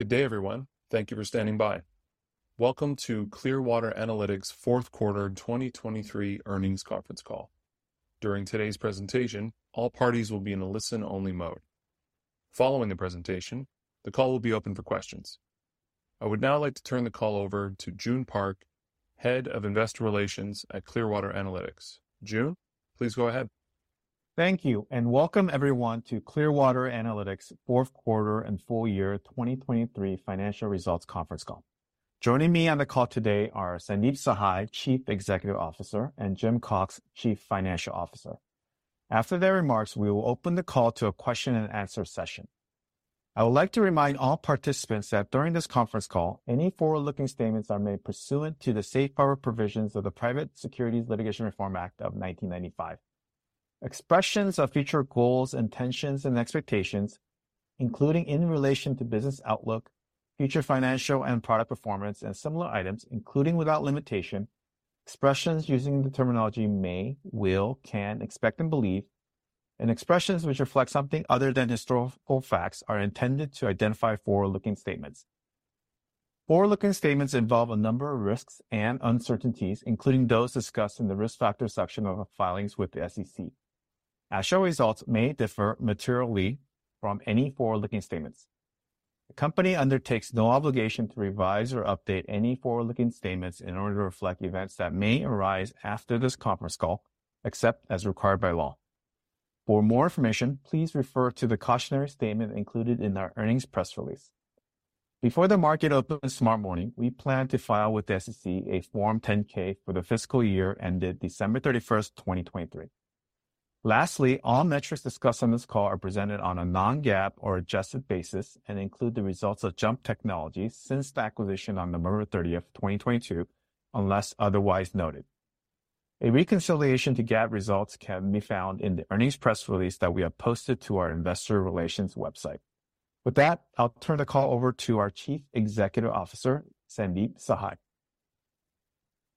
Good day, everyone. Thank you for standing by. Welcome to Clearwater Analytics' fourth quarter 2023 earnings conference call. During today's presentation, all parties will be in a listen-only mode. Following the presentation, the call will be open for questions. I would now like to turn the call over to Joon Park, Head of Investor Relations at Clearwater Analytics. Joon, please go ahead. Thank you, and welcome everyone to Clearwater Analytics' fourth quarter and full year 2023 financial results conference call. Joining me on the call today are Sandeep Sahai, Chief Executive Officer, and Jim Cox, Chief Financial Officer. After their remarks, we will open the call to a question and answer session. I would like to remind all participants that during this conference call, any forward-looking statements are made pursuant to the safe harbor provisions of the Private Securities Litigation Reform Act of 1995. Expressions of future goals, intentions, and expectations, including in relation to business outlook, future financial and product performance, and similar items, including without limitation, expressions using the terminology may, will, can, expect, and believe, and expressions which reflect something other than historical facts, are intended to identify forward-looking statements. Forward-looking statements involve a number of risks and uncertainties, including those discussed in the Risk Factors section of our filings with the SEC. Actual results may differ materially from any forward-looking statements. The company undertakes no obligation to revise or update any forward-looking statements in order to reflect events that may arise after this conference call, except as required by law. For more information, please refer to the cautionary statement included in our earnings press release. Before the market opens tomorrow morning, we plan to file with the SEC a Form 10-K for the fiscal year ended December 31, 2023. Lastly, all metrics discussed on this call are presented on a non-GAAP or adjusted basis and include the results of JUMP Technology since the acquisition on November 30, 2022, unless otherwise noted. A reconciliation to GAAP results can be found in the earnings press release that we have posted to our investor relations website. With that, I'll turn the call over to our Chief Executive Officer, Sandeep Sahai.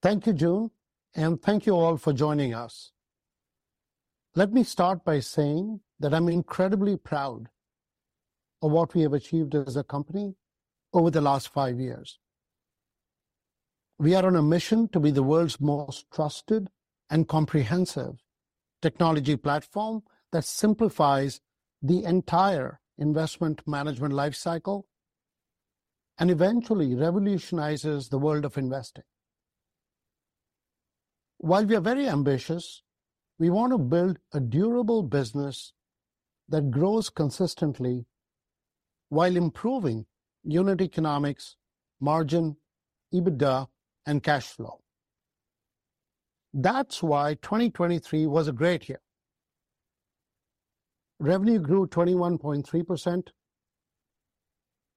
Thank you, June, and thank you all for joining us. Let me start by saying that I'm incredibly proud of what we have achieved as a company over the last five years. We are on a mission to be the world's most trusted and comprehensive technology platform that simplifies the entire investment management life cycle and eventually revolutionizes the world of investing. While we are very ambitious, we want to build a durable business that grows consistently while improving unit economics, margin, EBITDA, and cash flow. That's why 2023 was a great year. Revenue grew 21.3%,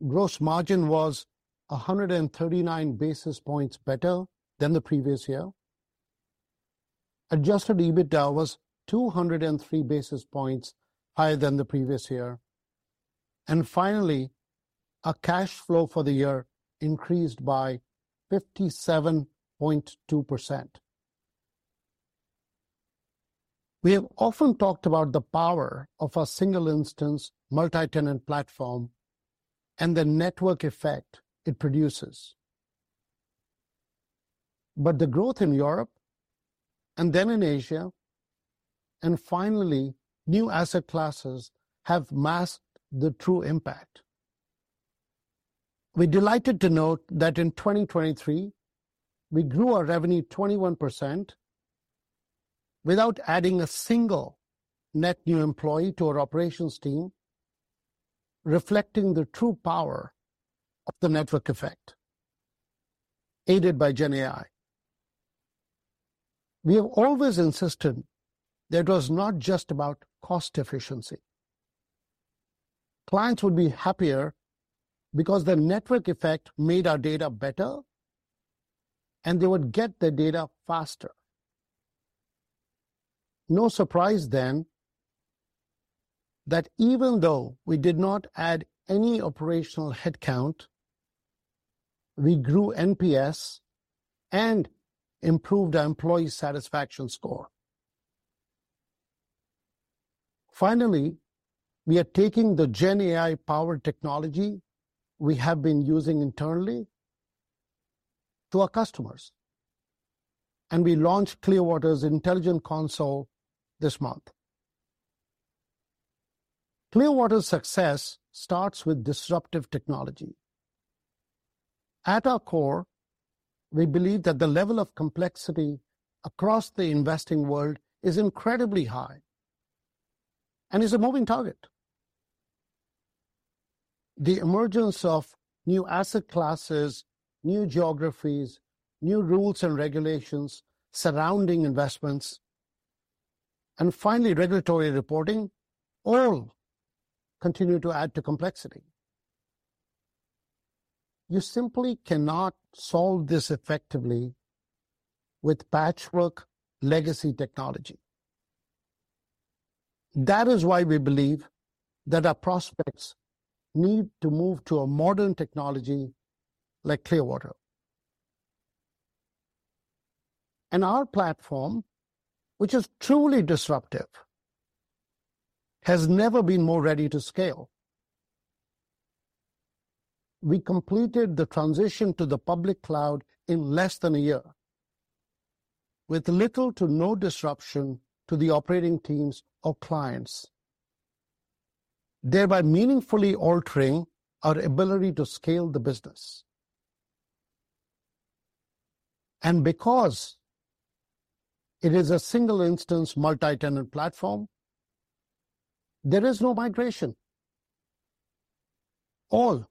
gross margin was 139 basis points better than the previous year. Adjusted EBITDA was 203 basis points higher than the previous year. And finally, our cash flow for the year increased by 57.2%. We have often talked about the power of a single-instance, multi-tenant platform and the network effect it produces. But the growth in Europe, and then in Asia, and finally, new asset classes have masked the true impact. We're delighted to note that in 2023, we grew our revenue 21% without adding a single net new employee to our operations team, reflecting the true power of the network effect, aided by GenAI. We have always insisted that it was not just about cost efficiency. Clients would be happier because the network effect made our data better, and they would get their data faster. No surprise then, that even though we did not add any operational headcount, we grew NPS and improved our employee satisfaction score. Finally, we are taking the GenAI-powered technology we have been using internally to our customers, and we launched Clearwater's Intelligent Console this month. Clearwater's success starts with disruptive technology. At our core, we believe that the level of complexity across the investing world is incredibly high and is a moving target. The emergence of new asset classes, new geographies, new rules and regulations surrounding investments, and finally, regulatory reporting, all continue to add to complexity. You simply cannot solve this effectively with patchwork legacy technology. That is why we believe that our prospects need to move to a modern technology like Clearwater... Our platform, which is truly disruptive, has never been more ready to scale. We completed the transition to the public cloud in less than a year, with little to no disruption to the operating teams or clients, thereby meaningfully altering our ability to scale the business. Because it is a single-instance multi-tenant platform, there is no migration. All,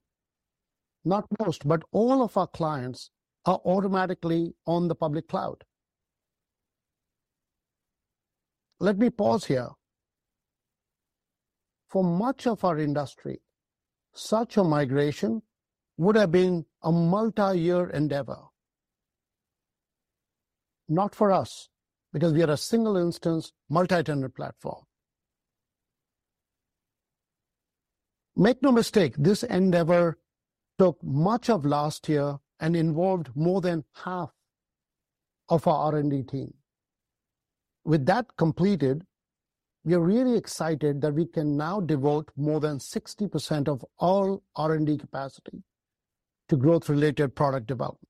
not most, but all of our clients are automatically on the public cloud. Let me pause here. For much of our industry, such a migration would have been a multi-year endeavor. Not for us, because we are a single-instance multi-tenant platform. Make no mistake, this endeavor took much of last year and involved more than half of our R&D team. With that completed, we are really excited that we can now devote more than 60% of all R&D capacity to growth-related product development.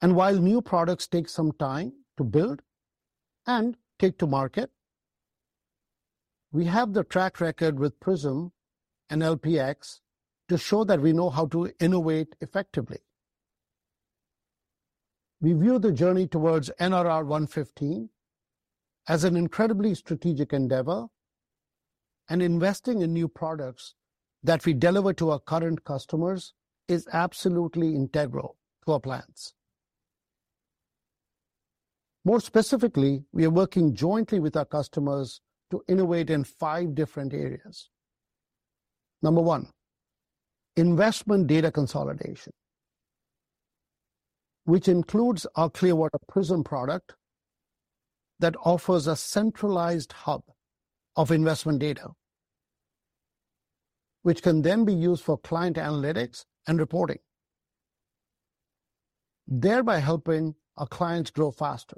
And while new products take some time to build and take to market, we have the track record with Prism and LPX to show that we know how to innovate effectively. We view the journey towards NRR 115 as an incredibly strategic endeavor, and investing in new products that we deliver to our current customers is absolutely integral to our plans. More specifically, we are working jointly with our customers to innovate in five different areas. Number one: investment data consolidation, which includes our Clearwater Prism product that offers a centralized hub of investment data, which can then be used for client analytics and reporting, thereby helping our clients grow faster.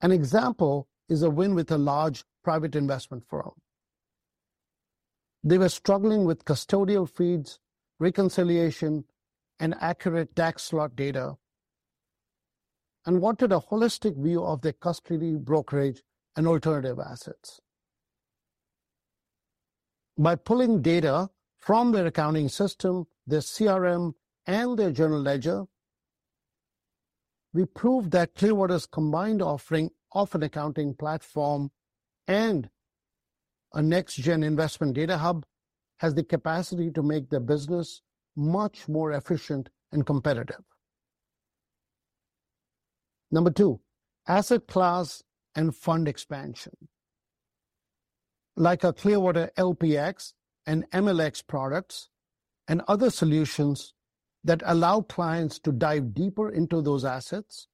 An example is a win with a large private investment firm. They were struggling with custodial feeds, reconciliation, and accurate tax lot data, and wanted a holistic view of their custody, brokerage, and alternative assets. By pulling data from their accounting system, their CRM, and their general ledger, we proved that Clearwater's combined offering of an accounting platform and a next-gen investment data hub has the capacity to make their business much more efficient and competitive. Number two: asset class and fund expansion. Like our Clearwater LPX and MLX products and other solutions that allow clients to dive deeper into those assets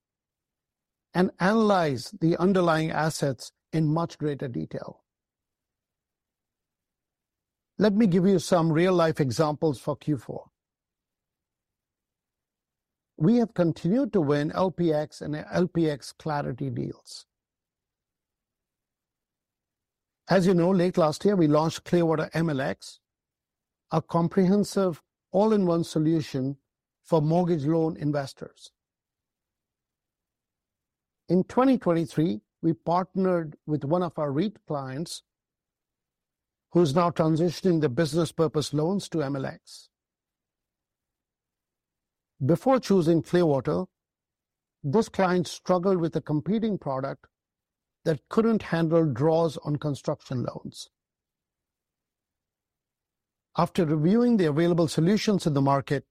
and analyze the underlying assets in much greater detail. Let me give you some real-life examples for Q4. We have continued to win LPX and LPX Clarity deals. As you know, late last year, we launched Clearwater MLX, a comprehensive all-in-one solution for mortgage loan investors. In 2023, we partnered with one of our REIT clients, who is now transitioning their business-purpose loans to MLX. Before choosing Clearwater, this client struggled with a competing product that couldn't handle draws on construction loans. After reviewing the available solutions in the market,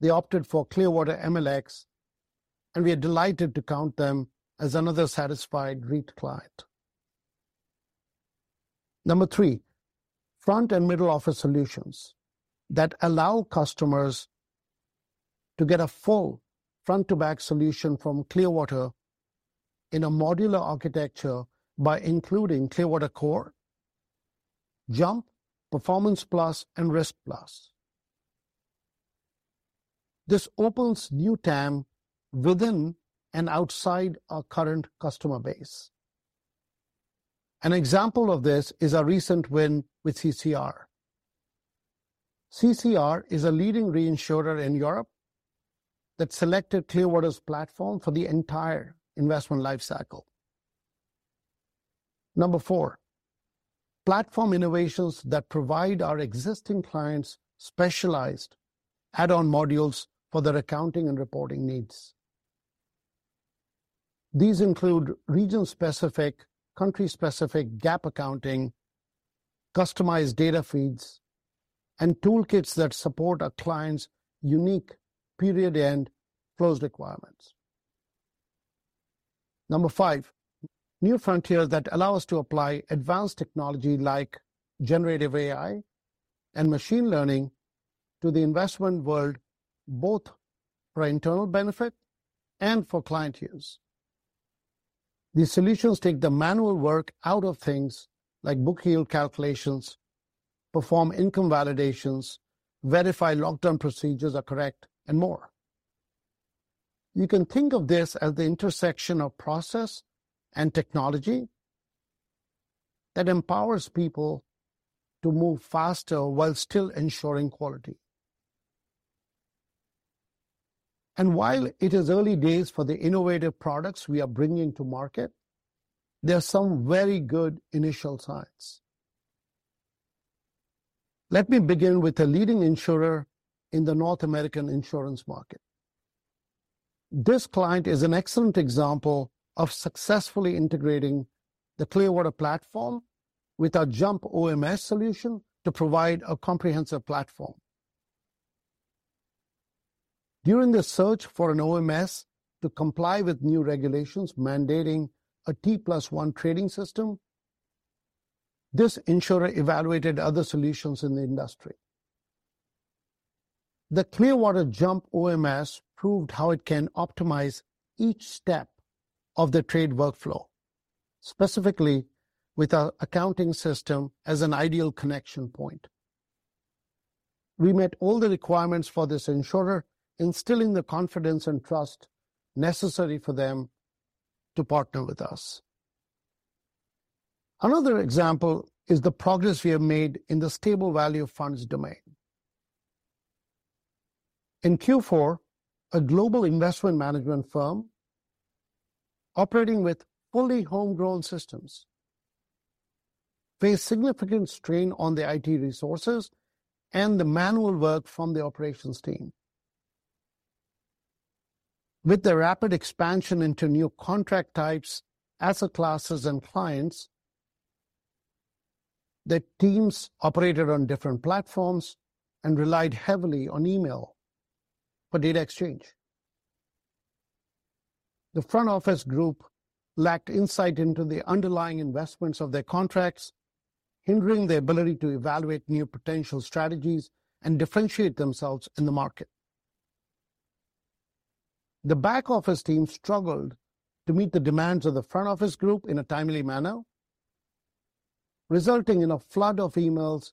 they opted for Clearwater MLX, and we are delighted to count them as another satisfied REIT client. Number three: front and middle-office solutions that allow customers to get a full front-to-back solution from Clearwater in a modular architecture by including Clearwater Core, Jump, Performance Plus, and Risk Plus. This opens new TAM within and outside our current customer base. An example of this is our recent win with CCR. CCR is a leading reinsurer in Europe that selected Clearwater's platform for the entire investment lifecycle. Number four: platform innovations that provide our existing clients specialized add-on modules for their accounting and reporting needs. These include region-specific, country-specific GAAP accounting, customized data feeds, and toolkits that support our clients' unique period-end close requirements. Number five: new frontiers that allow us to apply advanced technology like generative AI and machine learning to the investment world, both for our internal benefit and for client use.... These solutions take the manual work out of things like book yield calculations, perform income validations, verify lockdown procedures are correct, and more. You can think of this as the intersection of process and technology that empowers people to move faster while still ensuring quality. And while it is early days for the innovative products we are bringing to market, there are some very good initial signs. Let me begin with a leading insurer in the North American insurance market. This client is an excellent example of successfully integrating the Clearwater platform with our JUMP OMS solution to provide a comprehensive platform. During the search for an OMS to comply with new regulations mandating a T+1 trading system, this insurer evaluated other solutions in the industry. The Clearwater JUMP OMS proved how it can optimize each step of the trade workflow, specifically with our accounting system as an ideal connection point. We met all the requirements for this insurer, instilling the confidence and trust necessary for them to partner with us. Another example is the progress we have made in the stable value funds domain. In Q4, a global investment management firm operating with fully homegrown systems, faced significant strain on the IT resources and the manual work from the operations team. With the rapid expansion into new contract types, asset classes, and clients, the teams operated on different platforms and relied heavily on email for data exchange. The front-office group lacked insight into the underlying investments of their contracts, hindering the ability to evaluate new potential strategies and differentiate themselves in the market. The back-office team struggled to meet the demands of the front-office group in a timely manner, resulting in a flood of emails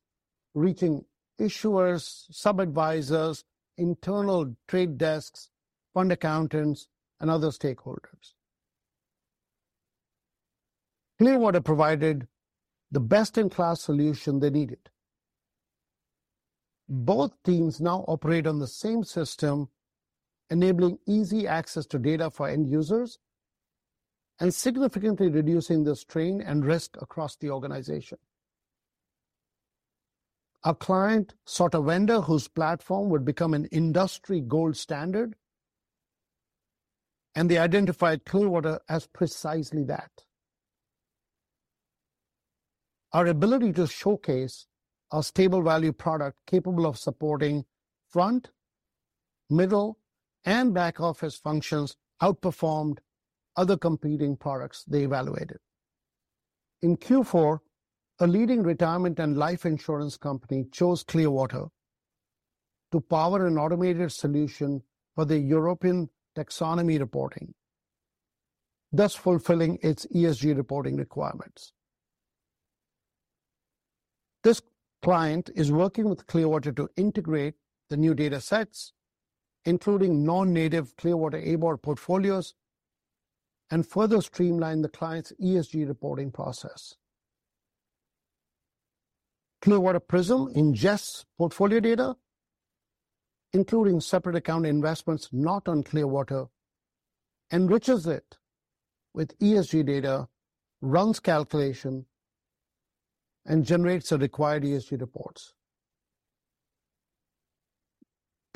reaching issuers, sub-advisors, internal trade desks, fund accountants, and other stakeholders. Clearwater provided the best-in-class solution they needed. Both teams now operate on the same system, enabling easy access to data for end users and significantly reducing the strain and risk across the organization. Our client sought a vendor whose platform would become an industry gold standard, and they identified Clearwater as precisely that. Our ability to showcase our stable value product capable of supporting front, middle, and back-office functions outperformed other competing products they evaluated. In Q4, a leading retirement and life insurance company chose Clearwater to power an automated solution for the European taxonomy reporting, thus fulfilling its ESG reporting requirements. This client is working with Clearwater to integrate the new data sets, including non-native Clearwater-enabled portfolios, and further streamline the client's ESG reporting process. Clearwater Prism ingests portfolio data, including separate account investments not on Clearwater, enriches it with ESG data, runs calculation, and generates the required ESG reports.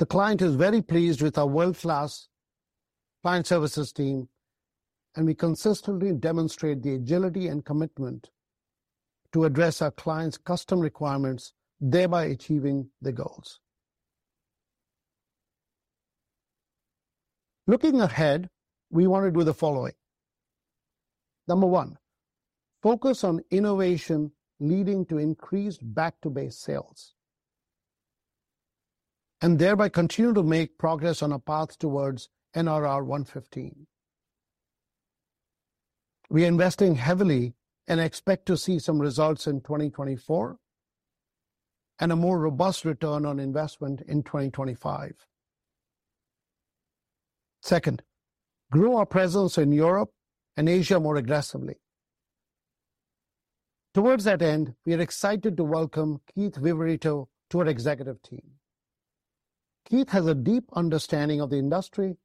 The client is very pleased with our world-class client services team, and we consistently demonstrate the agility and commitment to address our clients' custom requirements, thereby achieving their goals. Looking ahead, we want to do the following. Number one, focus on innovation, leading to increased back-to-base sales, and thereby continue to make progress on a path towards NRR 115. We are investing heavily and expect to see some results in 2024 and a more robust return on investment in 2025. Second, grow our presence in Europe and Asia more aggressively. Towards that end, we are excited to welcome Keith Viverito to our executive team. Keith has a deep understanding of the industry,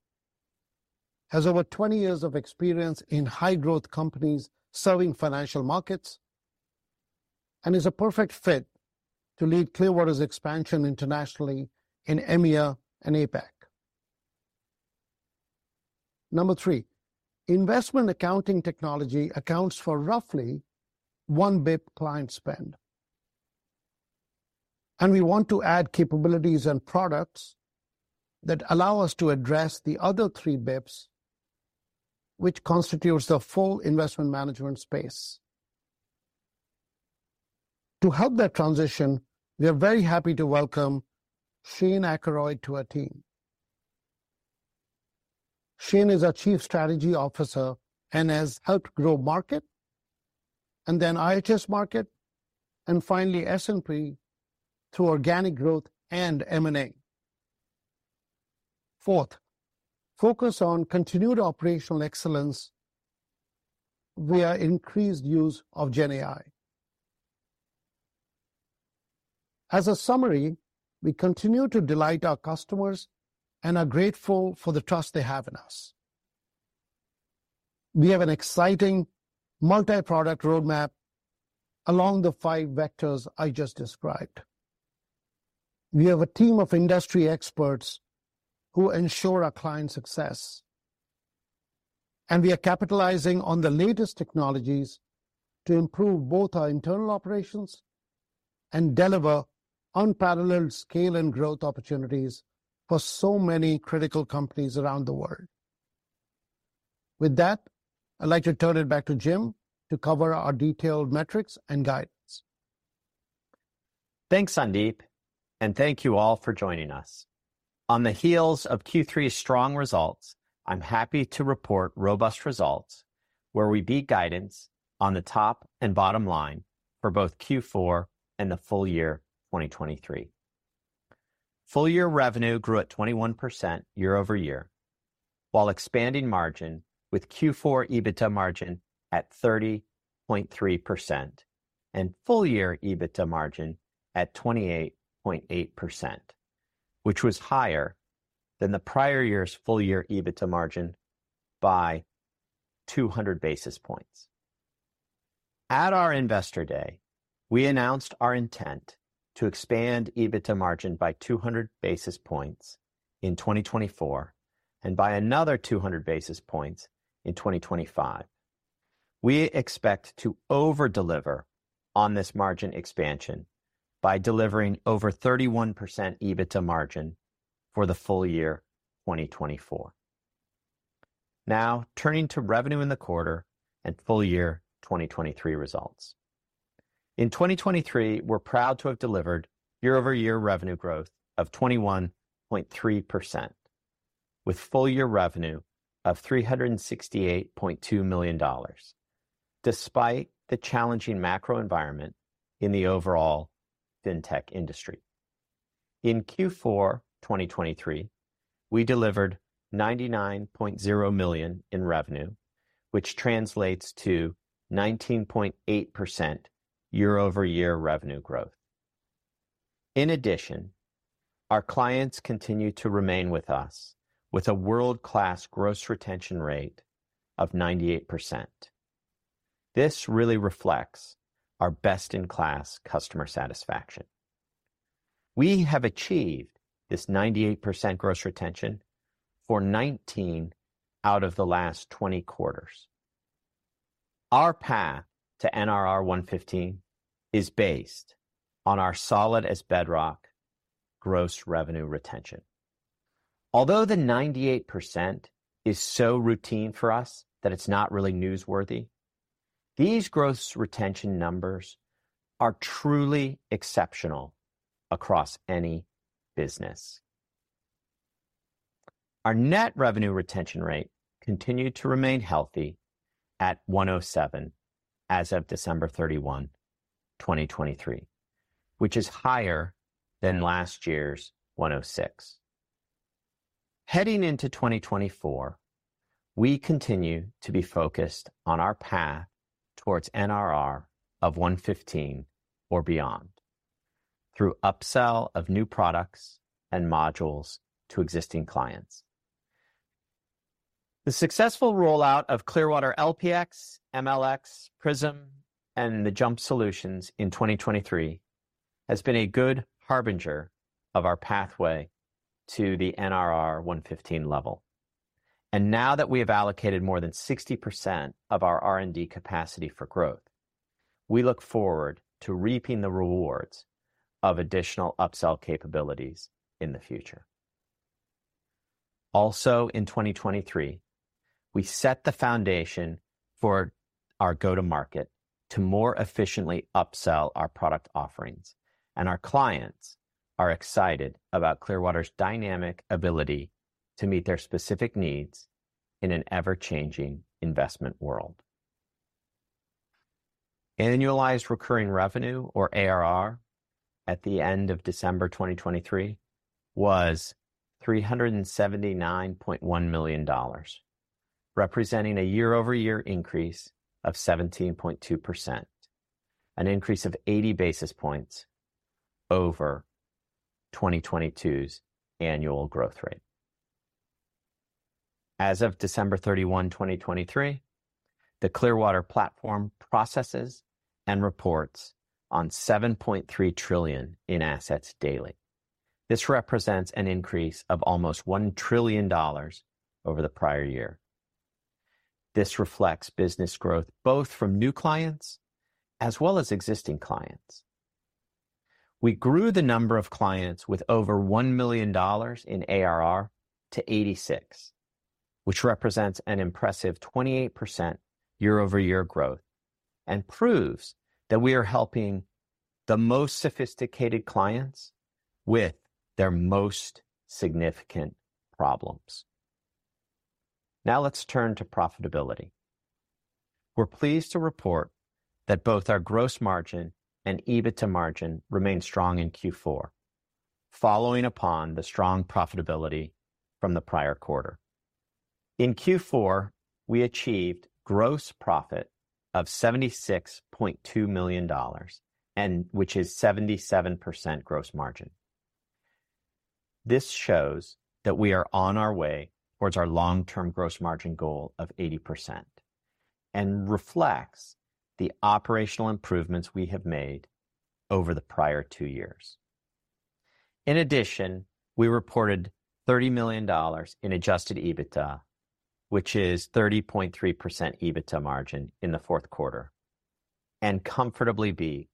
has over 20 years of experience in high-growth companies serving financial markets, and is a perfect fit to lead Clearwater's expansion internationally in EMEA and APAC. Number 3, investment accounting technology accounts for roughly 1 bps client spend, and we want to add capabilities and products that allow us to address the other 3 bps, which constitutes the full investment management space. To help that transition, we are very happy to welcome Shane Akeroyd to our team. Shane is our Chief Strategy Officer and has helped grow Markit, and then IHS Markit, and finally S&P through organic growth and M&A. Fourth, focus on continued operational excellence via increased use of GenAI. As a summary, we continue to delight our customers and are grateful for the trust they have in us. We have an exciting multi-product roadmap along the five vectors I just described. We have a team of industry experts who ensure our client success, and we are capitalizing on the latest technologies to improve both our internal operations and deliver unparalleled scale and growth opportunities for so many critical companies around the world. With that, I'd like to turn it back to Jim to cover our detailed metrics and guidance. Thanks, Sandeep, and thank you all for joining us. On the heels of Q3's strong results, I'm happy to report robust results, where we beat guidance on the top and bottom line for both Q4 and the full year 2023. Full year revenue grew at 21% year over year, while expanding margin, with Q4 EBITDA margin at 30.3% and full year EBITDA margin at 28.8%, which was higher than the prior year's full year EBITDA margin by 200 basis points. At our Investor Day, we announced our intent to expand EBITDA margin by 200 basis points in 2024, and by another 200 basis points in 2025. We expect to over-deliver on this margin expansion by delivering over 31% EBITDA margin for the full year 2024. Now, turning to revenue in the quarter and full year 2023 results. In 2023, we're proud to have delivered year-over-year revenue growth of 21.3%, with full year revenue of $368.2 million, despite the challenging macro environment in the overall fintech industry. In Q4 2023, we delivered $99.0 million in revenue, which translates to 19.8% year-over-year revenue growth. In addition, our clients continue to remain with us with a world-class gross retention rate of 98%. This really reflects our best-in-class customer satisfaction. We have achieved this 98% gross retention for 19 out of the last 20 quarters. Our path to NRR 115 is based on our solid-as-bedrock gross revenue retention. Although the 98% is so routine for us that it's not really newsworthy, these gross retention numbers are truly exceptional across any business. Our net revenue retention rate continued to remain healthy at 107 as of December 31, 2023, which is higher than last year's 106. Heading into 2024, we continue to be focused on our path towards NRR of 115 or beyond through upsell of new products and modules to existing clients. The successful rollout of Clearwater LPX, MLX, Prism, and the JUMP Solutions in 2023 has been a good harbinger of our pathway to the NRR 115 level. And now that we have allocated more than 60% of our R&D capacity for growth, we look forward to reaping the rewards of additional upsell capabilities in the future. Also, in 2023, we set the foundation for our go-to-market to more efficiently upsell our product offerings, and our clients are excited about Clearwater's dynamic ability to meet their specific needs in an ever-changing investment world. Annualized Recurring Revenue, or ARR, at the end of December 2023 was $379.1 million, representing a year-over-year increase of 17.2%, an increase of 80 basis points over 2022's annual growth rate. As of December 31, 2023, the Clearwater platform processes and reports on $7.3 trillion in assets daily. This represents an increase of almost $1 trillion over the prior year. This reflects business growth, both from new clients as well as existing clients. We grew the number of clients with over $1 million in ARR to 86, which represents an impressive 28% year-over-year growth, and proves that we are helping the most sophisticated clients with their most significant problems. Now let's turn to profitability. We're pleased to report that both our gross margin and EBITDA margin remained strong in Q4, following upon the strong profitability from the prior quarter. In Q4, we achieved gross profit of $76.2 million, and which is 77% gross margin. This shows that we are on our way towards our long-term gross margin goal of 80%, and reflects the operational improvements we have made over the prior two years. In addition, we reported $30 million in adjusted EBITDA, which is 30.3% EBITDA margin in the fourth quarter, and comfortably beat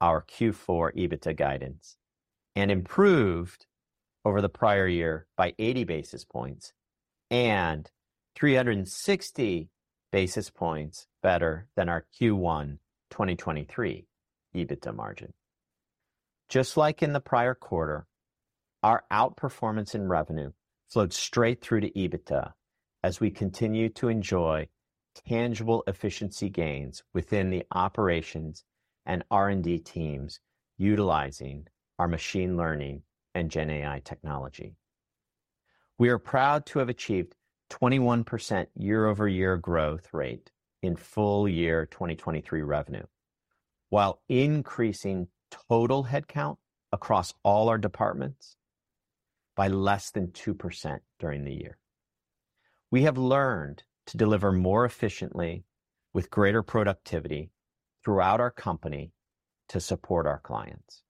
our Q4 EBITDA guidance, and improved over the prior year by 80 basis points and 360 basis points better than our Q1 2023 EBITDA margin. Just like in the prior quarter, our outperformance in revenue flowed straight through to EBITDA as we continue to enjoy tangible efficiency gains within the operations and R&D teams utilizing our machine learning and GenAI technology. We are proud to have achieved 21% year-over-year growth rate in full year 2023 revenue, while increasing total headcount across all our departments by less than 2% during the year. We have learned to deliver more efficiently with greater productivity throughout our company to support our clients.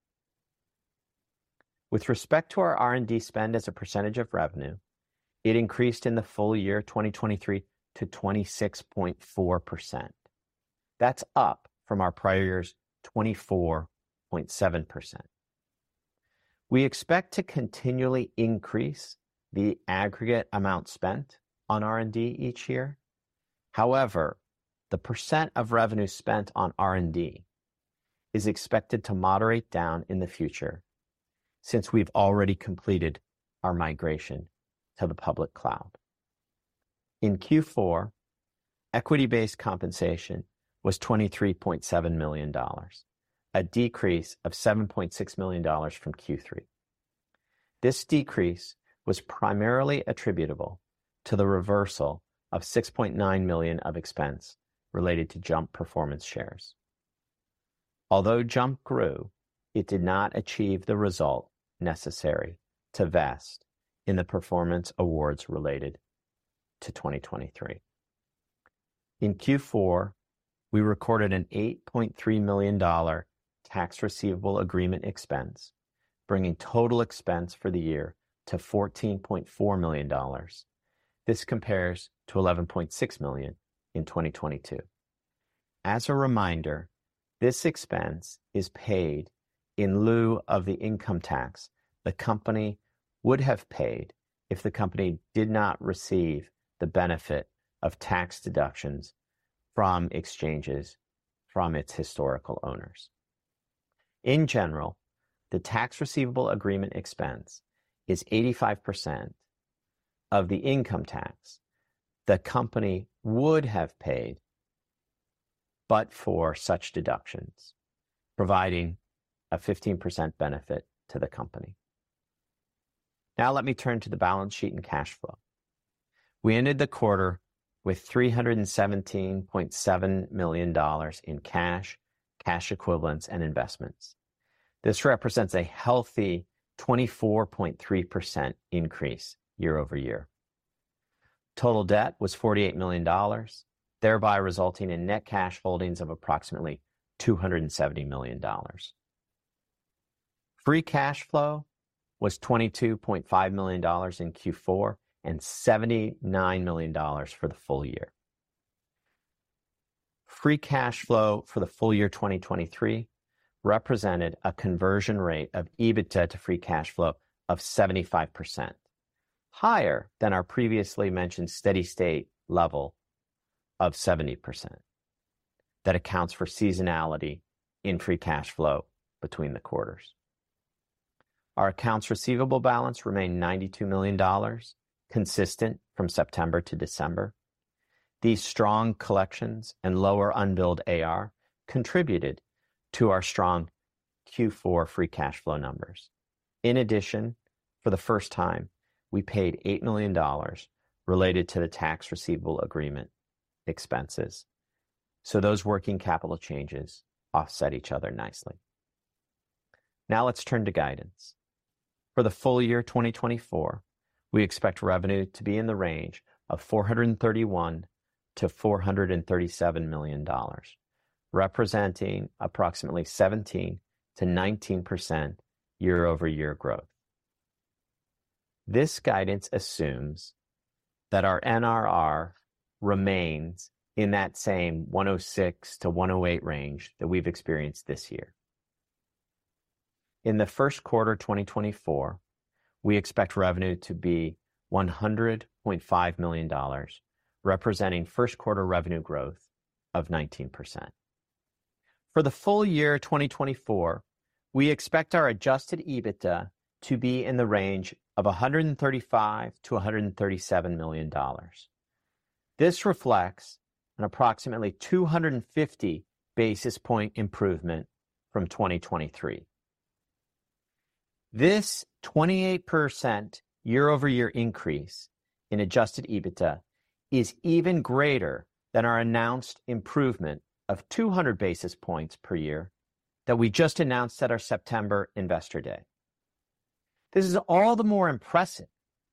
With respect to our R&D spend as a percentage of revenue, it increased in the full year 2023 to 26.4%. That's up from our prior year's 24.7%. We expect to continually increase the aggregate amount spent on R&D each year. However, the percent of revenue spent on R&D is expected to moderate down in the future since we've already completed our migration to the public cloud. In Q4, equity-based compensation was $23.7 million, a decrease of $7.6 million from Q3. This decrease was primarily attributable to the reversal of $6.9 million of expense related to JUMP performance shares. Although JUMP grew, it did not achieve the result necessary to vest in the performance awards related to 2023. In Q4, we recorded an $8.3 million tax receivable agreement expense, bringing total expense for the year to $14.4 million. This compares to $11.6 million in 2022. As a reminder, this expense is paid in lieu of the income tax the company would have paid if the company did not receive the benefit of tax deductions from exchanges from its historical owners. In general, the tax receivable agreement expense is 85% of the income tax the company would have paid but for such deductions, providing a 15% benefit to the company. Now let me turn to the balance sheet and cash flow. We ended the quarter with $317.7 million in cash, cash equivalents, and investments. This represents a healthy 24.3% increase year-over-year. Total debt was $48 million, thereby resulting in net cash holdings of approximately $270 million. Free cash flow was $22.5 million in Q4 and $79 million for the full year. Free cash flow for the full year 2023 represented a conversion rate of EBITDA to free cash flow of 75%, higher than our previously mentioned steady state level of 70%. That accounts for seasonality in free cash flow between the quarters. Our accounts receivable balance remained $92 million, consistent from September to December. These strong collections and lower unbilled AR contributed to our strong Q4 free cash flow numbers. In addition, for the first time, we paid $8 million related to the tax receivable agreement expenses, so those working capital changes offset each other nicely. Now let's turn to guidance. For the full year 2024, we expect revenue to be in the range of $431 million-$437 million, representing approximately 17%-19% year-over-year growth. This guidance assumes that our NRR remains in that same 106-108 range that we've experienced this year. In the first quarter 2024, we expect revenue to be $105 million, representing first quarter revenue growth of 19%. For the full year 2024, we expect our adjusted EBITDA to be in the range of $135 million-$137 million. This reflects an approximately 250 basis point improvement from 2023. This 28% year-over-year increase in adjusted EBITDA is even greater than our announced improvement of 200 basis points per year that we just announced at our September Investor Day. This is all the more impressive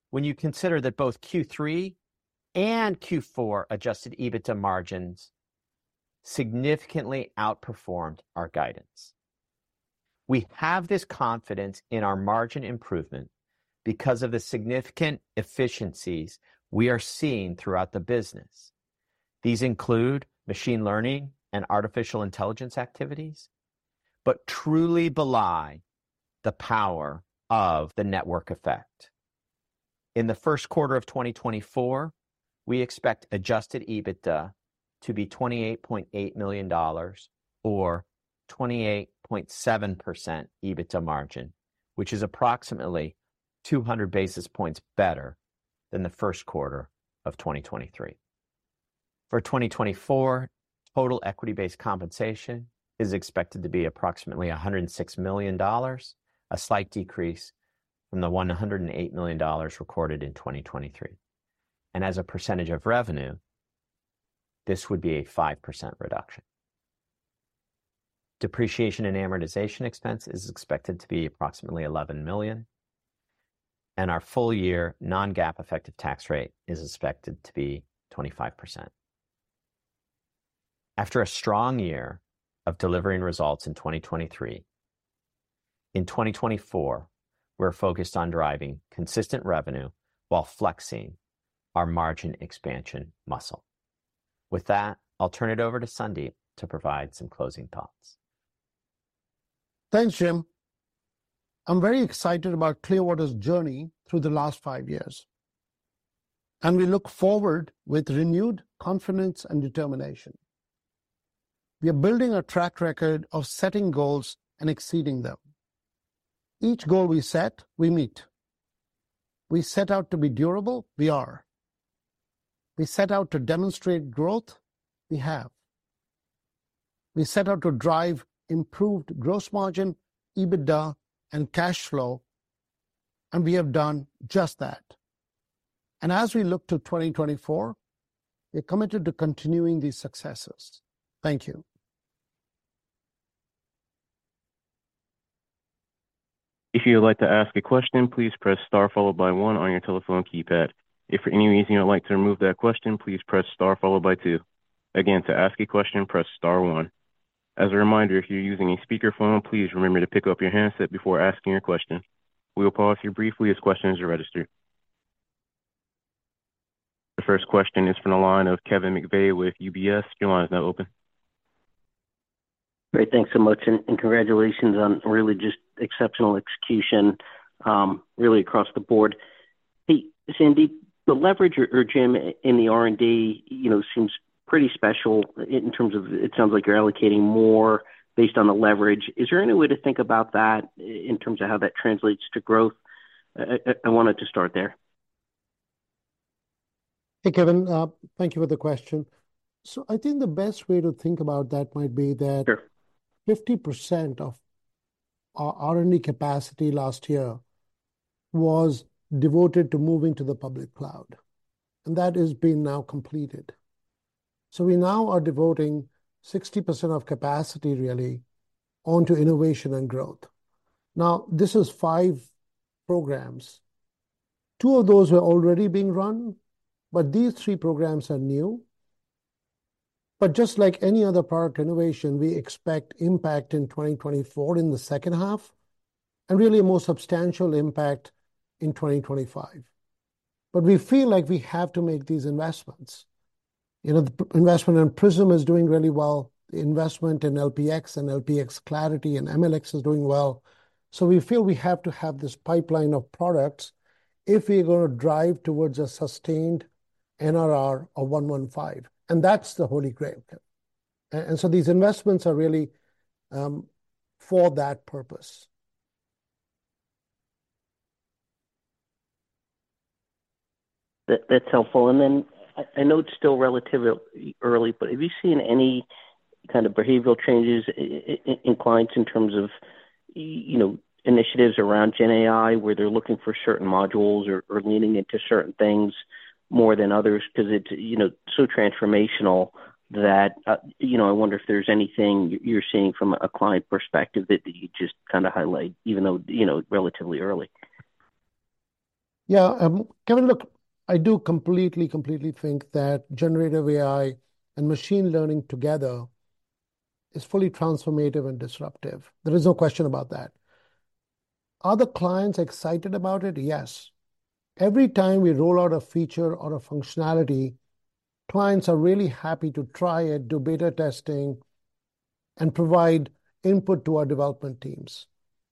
when you consider that both Q3 and Q4 adjusted EBITDA margins significantly outperformed our guidance. We have this confidence in our margin improvement because of the significant efficiencies we are seeing throughout the business. These include machine learning and artificial intelligence activities, but truly belie the power of the network effect. In the first quarter of 2024, we expect adjusted EBITDA to be $28.8 million or 28.7% EBITDA margin, which is approximately 200 basis points better than the first quarter of 2023. For 2024, total equity-based compensation is expected to be approximately $106 million, a slight decrease from the $108 million recorded in 2023. And as a percentage of revenue, this would be a 5% reduction. Depreciation and amortization expense is expected to be approximately $11 million, and our full-year non-GAAP effective tax rate is expected to be 25%. After a strong year of delivering results in 2023, in 2024, we're focused on driving consistent revenue while flexing our margin expansion muscle. With that, I'll turn it over to Sandeep to provide some closing thoughts. Thanks, Jim. I'm very excited about Clearwater's journey through the last five years, and we look forward with renewed confidence and determination. We are building a track record of setting goals and exceeding them. Each goal we set, we meet. We set out to be durable, we are. We set out to demonstrate growth, we have. We set out to drive improved gross margin, EBITDA, and cash flow, and we have done just that. And as we look to 2024, we're committed to continuing these successes. Thank you. If you would like to ask a question, please press Star followed by one on your telephone keypad. If for any reason you would like to remove that question, please press Star followed by two. Again, to ask a question, press Star one. As a reminder, if you're using a speakerphone, please remember to pick up your handset before asking your question. We will pause here briefly as questions are registered. The first question is from the line of Kevin McVeigh with UBS. Your line is now open. Great, thanks so much, and congratulations on really just exceptional execution, really across the board. Hey, Sandeep, the leverage or, Jim, in the R&D, you know, seems pretty special in terms of it sounds like you're allocating more based on the leverage. Is there any way to think about that in terms of how that translates to growth? I wanted to start there. Hey, Kevin, thank you for the question. So I think the best way to think about that might be that- Sure... 50% of our R&D capacity last year was devoted to moving to the public cloud, and that is being now completed. So we now are devoting 60% of capacity really onto innovation and growth. Now, this is five programs. Two of those were already being run, but these three programs are new. But just like any other product innovation, we expect impact in 2024, in the second half, and really a more substantial impact in 2025. But we feel like we have to make these investments. You know, the investment in Prism is doing really well. The investment in LPX and LPX Clarity and MLX is doing well. So we feel we have to have this pipeline of products if we're going to drive towards a sustained NRR of 115, and that's the holy grail. These investments are really for that purpose. That, that's helpful. And then I know it's still relatively early, but have you seen any kind of behavioral changes in clients in terms of, you know, initiatives around GenAI, where they're looking for certain modules or leaning into certain things more than others? Because it's, you know, so transformational that, you know, I wonder if there's anything you're seeing from a client perspective that you just kind of highlight, even though, you know, it's relatively early. Yeah, Kevin, look, I do completely, completely think that generative AI and machine learning together is fully transformative and disruptive. There is no question about that. Are the clients excited about it? Yes. Every time we roll out a feature or a functionality, clients are really happy to try it, do beta testing, and provide input to our development teams.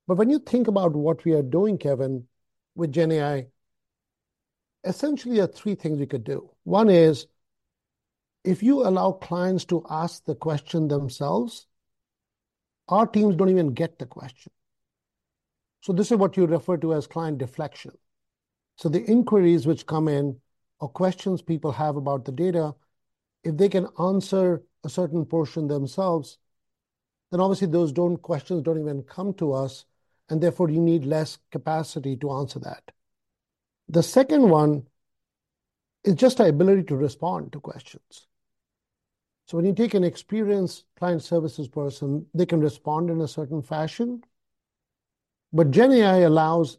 But when you think about what we are doing, Kevin, with GenAI, essentially, there are three things we could do. One is, if you allow clients to ask the question themselves, our teams don't even get the question. So this is what you refer to as client deflection. So the inquiries which come in or questions people have about the data, if they can answer a certain portion themselves, then obviously, those don't even come to us, and therefore, you need less capacity to answer that. The second one is just the ability to respond to questions. So when you take an experienced client services person, they can respond in a certain fashion, but GenAI allows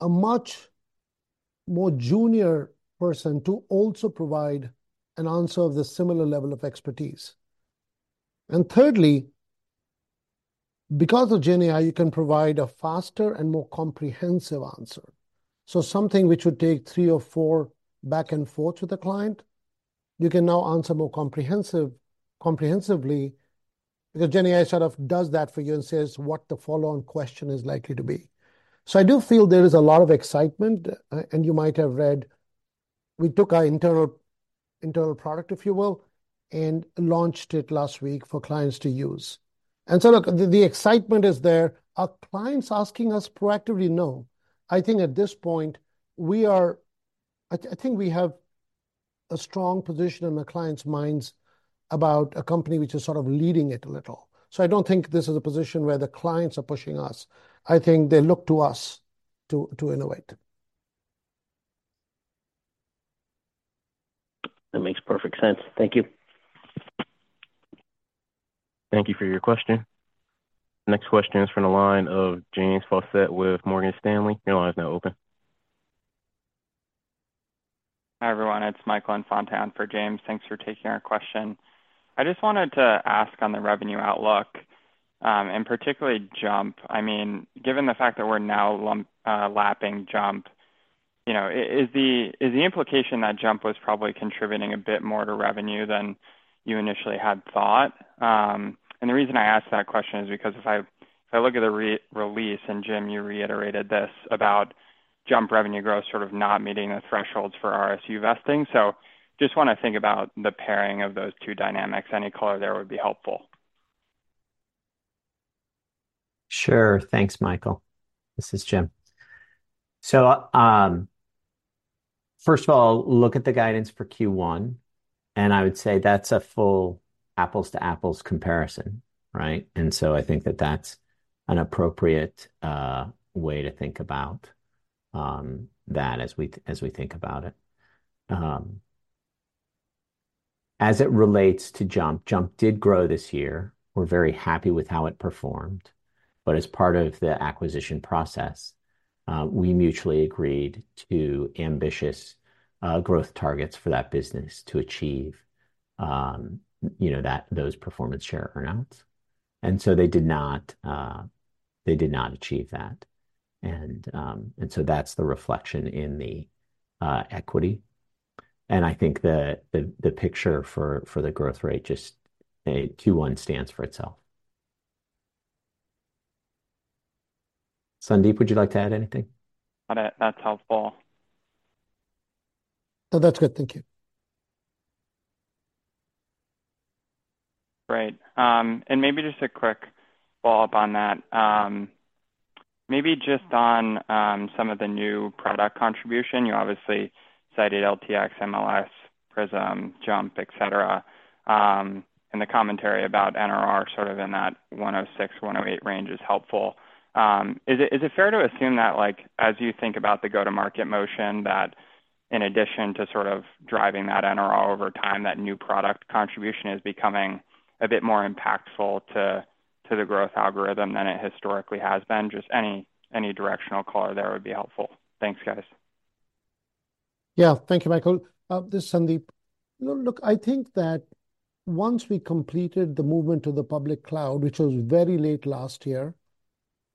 a much more junior person to also provide an answer of the similar level of expertise. And thirdly, because of GenAI, you can provide a faster and more comprehensive answer. So something which would take three or four back and forth with the client, you can now answer more comprehensive, comprehensively, because GenAI sort of does that for you and says what the follow-on question is likely to be. So I do feel there is a lot of excitement, and you might have read, we took our internal, internal product, if you will, and launched it last week for clients to use. And so look, the, the excitement is there. Are clients asking us proactively? No. I think at this point, we are... I think we have a strong position in the clients' minds about a company which is sort of leading it a little. So I don't think this is a position where the clients are pushing us. I think they look to us to, to innovate. That makes perfect sense. Thank you. Thank you for your question. Next question is from the line of James Faucette with Morgan Stanley. Your line is now open. Hi, everyone, it's Michael Infante for James. Thanks for taking our question. I just wanted to ask on the revenue outlook, and particularly JUMP. I mean, given the fact that we're now lapping JUMP, you know, is the implication that JUMP was probably contributing a bit more to revenue than you initially had thought? And the reason I ask that question is because if I look at the press release, and Jim, you reiterated this, about JUMP revenue growth sort of not meeting the thresholds for RSU vesting. So just want to think about the pairing of those two dynamics. Any color there would be helpful. Sure. Thanks, Michael. This is Jim. So, first of all, look at the guidance for Q1, and I would say that's a full apples to apples comparison, right? And so I think that that's an appropriate way to think about that as we, as we think about it. As it relates to JUMP, JUMP did grow this year. We're very happy with how it performed, but as part of the acquisition process, we mutually agreed to ambitious growth targets for that business to achieve, you know, that, those performance share earn-outs. And so they did not, they did not achieve that. And, and so that's the reflection in the equity, and I think the, the, the picture for, for the growth rate, just a Q1 stands for itself. Sandeep, would you like to add anything? That's helpful. No, that's good. Thank you. Great. And maybe just a quick follow-up on that. Maybe just on some of the new product contribution. You obviously cited LPX, MLX, Prism, JUMP, et cetera, and the commentary about NRR, sort of in that 106-108 range is helpful. Is it fair to assume that, like, as you think about the go-to-market motion, that in addition to sort of driving that NRR over time, that new product contribution is becoming a bit more impactful to the growth algorithm than it historically has been? Just any directional color there would be helpful. Thanks, guys. Yeah. Thank you, Michael. This is Sandeep. Look, look, I think that once we completed the movement to the public cloud, which was very late last year,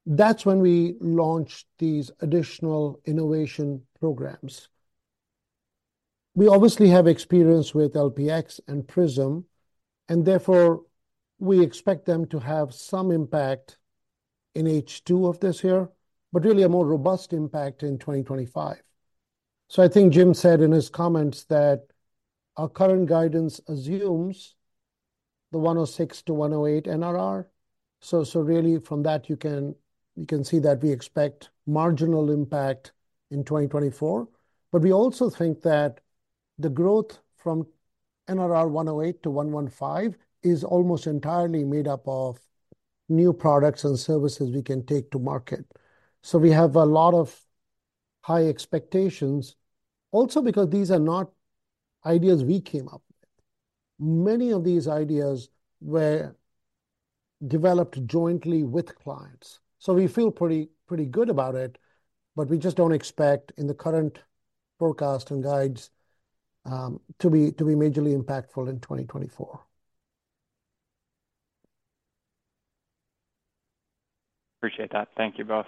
that's when we launched these additional innovation programs. We obviously have experience with LPX and Prism, and therefore, we expect them to have some impact in H2 of this year, but really a more robust impact in 2025. So I think Jim said in his comments that our current guidance assumes the NRR 106-NRR 108. So, so really, from that, you can, you can see that we expect marginal impact in 2024, but we also think that the growth from NRR 108-NRR 115 is almost entirely made up of new products and services we can take to market. So we have a lot of high expectations. Also, because these are not ideas we came up with. Many of these ideas were developed jointly with clients. So we feel pretty, pretty good about it, but we just don't expect in the current forecast and guides to be majorly impactful in 2024. Appreciate that. Thank you both.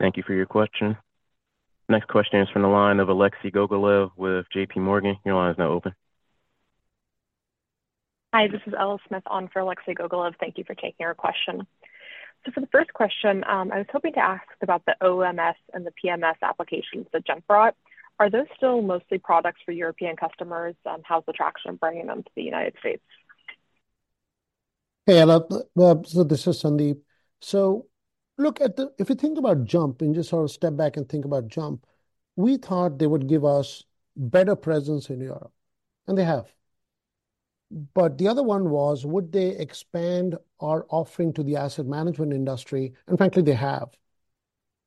Thank you for your question. Next question is from the line of Alexei Gogolev with JP Morgan. Your line is now open. Hi, this is Ella Smith on for Alexei Gogolev. Thank you for taking our question. So for the first question, I was hoping to ask about the OMS and the PMS applications that JUMP brought. Are those still mostly products for European customers, and how's the traction bringing them to the United States? Hey, Ella. So this is Sandeep. So look at the—if you think about JUMP, and just sort of step back and think about JUMP, we thought they would give us better presence in Europe, and they have. But the other one was, would they expand our offering to the asset management industry? And frankly, they have.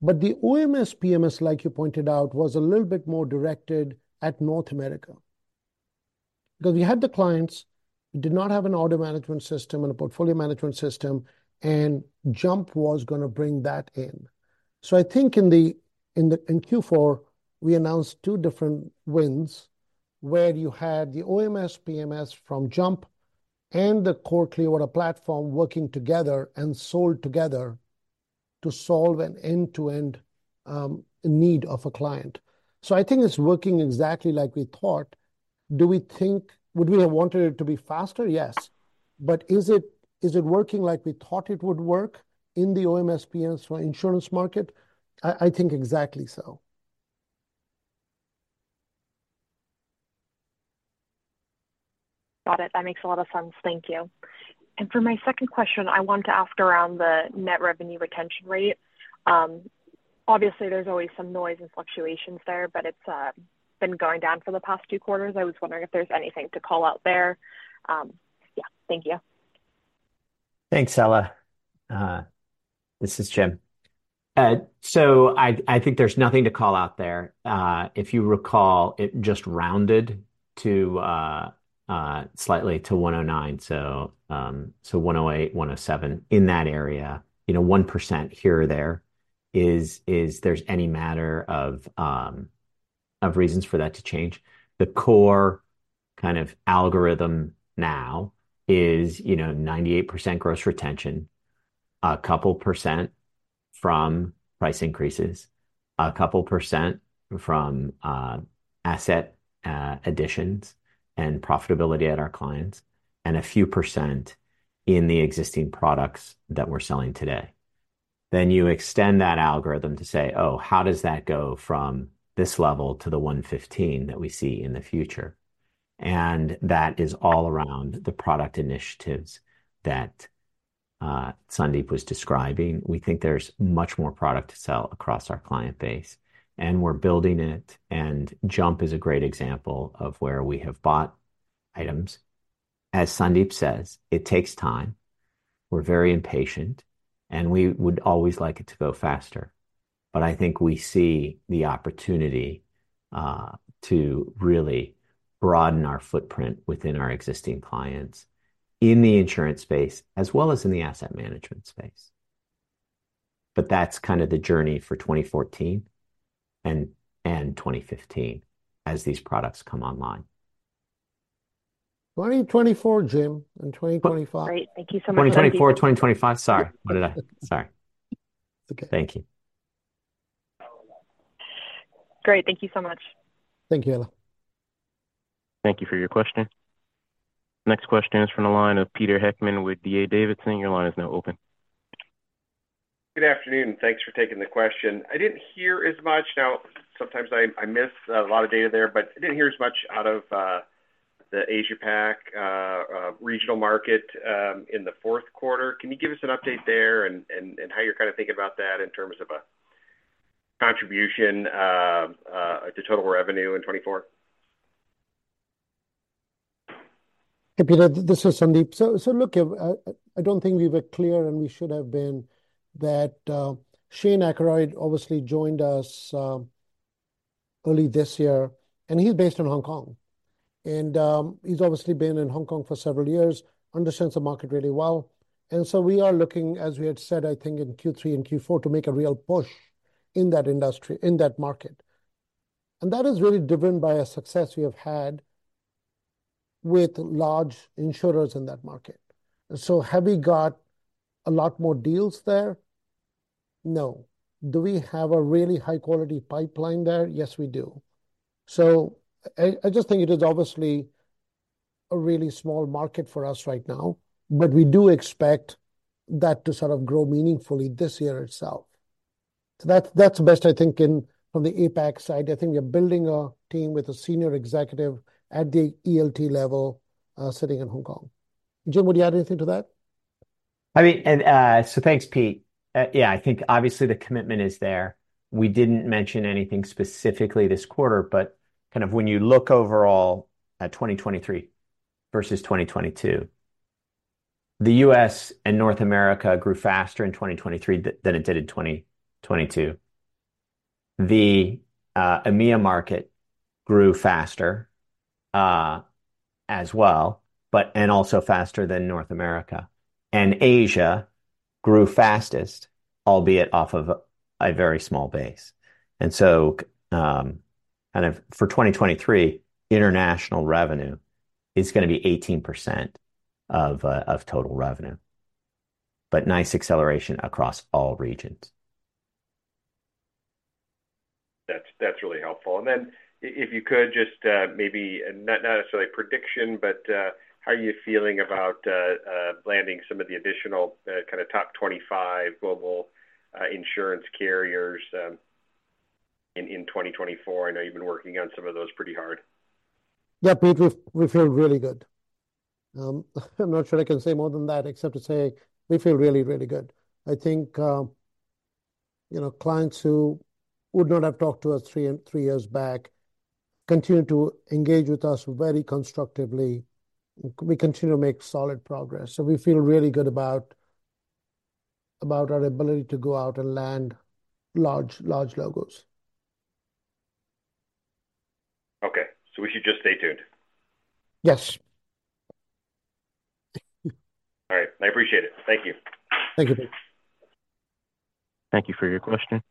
But the OMS, PMS, like you pointed out, was a little bit more directed at North America. Because we had the clients who did not have an order management system and a portfolio management system, and JUMP was going to bring that in. So I think in Q4, we announced two different wins, where you had the OMS, PMS from JUMP and the core Cleanwater platform working together and sold together to solve an end-to-end need of a client. So I think it's working exactly like we thought. Do we think... Would we have wanted it to be faster? Yes. But is it working like we thought it would work in the OMS, PMS for insurance market? I think exactly so. Got it. That makes a lot of sense. Thank you. And for my second question, I want to ask around the net revenue retention rate. Obviously, there's always some noise and fluctuations there, but it's been going down for the past two quarters. I was wondering if there's anything to call out there. Yeah. Thank you. Thanks, Ella. This is Jim. So I think there's nothing to call out there. If you recall, it just rounded to slightly to 109. So 108, 107, in that area. You know, 1% here or there is any matter of reasons for that to change. The core kind of algorithm now is, you know, 98% gross retention, a couple % from price increases, a couple % from asset additions and profitability at our clients, and a few % in the existing products that we're selling today. Then you extend that algorithm to say, oh, how does that go from this level to the 115 that we see in the future? And that is all around the product initiatives that Sandeep was describing. We think there's much more product to sell across our client base, and we're building it, and JUMP is a great example of where we have bought items. As Sandeep says, it takes time. We're very impatient, and we would always like it to go faster, but I think we see the opportunity to really broaden our footprint within our existing clients in the insurance space, as well as in the asset management space. But that's kind of the journey for 2014 and 2015, as these products come online. 2024, Jim, and 2025. Great. Thank you so much- 2024, 2025. Sorry, what did I? Sorry. It's okay. Thank you. Great. Thank you so much. Thank you, Ella. Thank you for your question. Next question is from the line of Peter Heckman with D.A. Davidson. Your line is now open. Good afternoon, thanks for taking the question. I didn't hear as much... Now, sometimes I miss a lot of data there, but I didn't hear as much out of the Asia Pac regional market in the fourth quarter. Can you give us an update there and how you're kind of thinking about that in terms of a contribution to total revenue in 2024? Hey, Peter, this is Sandeep. So, look, I don't think we were clear, and we should have been, that Shane Akeroyd obviously joined us early this year, and he's based in Hong Kong. And, he's obviously been in Hong Kong for several years, understands the market really well. And so we are looking, as we had said, I think in Q3 and Q4, to make a real push in that industry, in that market. And that is really driven by a success we have had with large insurers in that market. So have we got a lot more deals there? No. Do we have a really high-quality pipeline there? Yes, we do. So I just think it is obviously a really small market for us right now, but we do expect that to sort of grow meaningfully this year itself. So that's, that's the best, I think, in from the APAC side. I think we are building a team with a senior executive at the ELT level, sitting in Hong Kong. Jim, would you add anything to that? I mean, and, so thanks, Pete. Yeah, I think obviously the commitment is there. We didn't mention anything specifically this quarter, but kind of when you look overall at 2023 versus 2022. The US and North America grew faster in 2023 than it did in 2022. The EMEA market grew faster, as well, but—and also faster than North America. And Asia grew fastest, albeit off of a very small base. And so, kind of for 2023, international revenue is going to be 18% of total revenue, but nice acceleration across all regions. That's really helpful. And then if you could just maybe not necessarily a prediction, but how are you feeling about landing some of the additional kind of top 25 global insurance carriers in 2024? I know you've been working on some of those pretty hard. Yeah, Pete, we, we feel really good. I'm not sure I can say more than that, except to say we feel really, really good. I think, you know, clients who would not have talked to us three and three years back continue to engage with us very constructively. We continue to make solid progress, so we feel really good about, about our ability to go out and land large, large logos. Okay, so we should just stay tuned? Yes. All right. I appreciate it. Thank you. Thank you, Pete. Thank you for your question.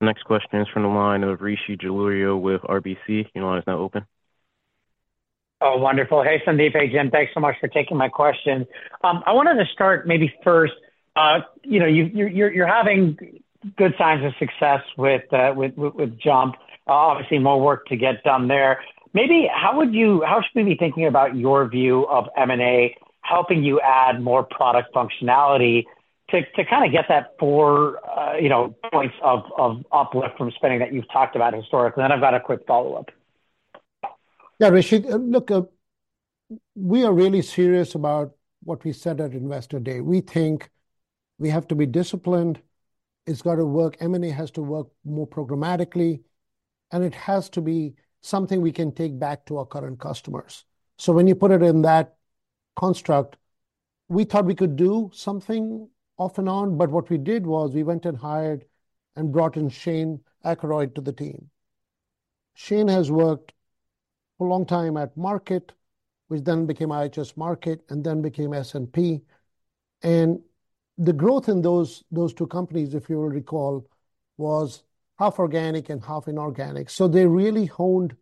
The next question is from the line of Rishi Jaluria with RBC. Your line is now open. Oh, wonderful. Hey, Sandeep. Hey, Jim. Thanks so much for taking my question. I wanted to start maybe first, you know, you're having good signs of success with JUMP. Obviously, more work to get done there. Maybe how should we be thinking about your view of M&A helping you add more product functionality to kind of get that 4 points of uplift from spending that you've talked about historically? Then I've got a quick follow-up. Yeah, Rishi, look, we are really serious about what we said at Investor Day. We think we have to be disciplined. It's got to work. M&A has to work more programmatically, and it has to be something we can take back to our current customers. So when you put it in that construct, we thought we could do something off and on, but what we did was we went and hired and brought in Shane Akeroyd to the team. Shane has worked a long time at Markit, which then became IHS Markit and then became S&P. And the growth in those, those two companies, if you will recall, was half organic and half inorganic. So they really honed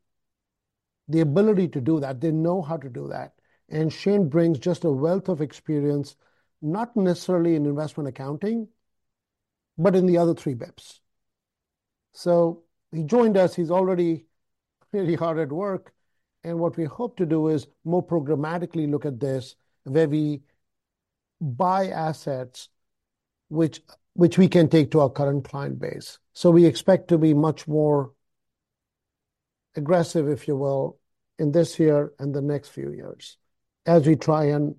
the ability to do that. They know how to do that. And Shane brings just a wealth of experience, not necessarily in investment accounting, but in the other three bits. So he joined us. He's already really hard at work, and what we hope to do is more programmatically look at this, where we buy assets which, which we can take to our current client base. So we expect to be much more aggressive, if you will, in this year and the next few years as we try and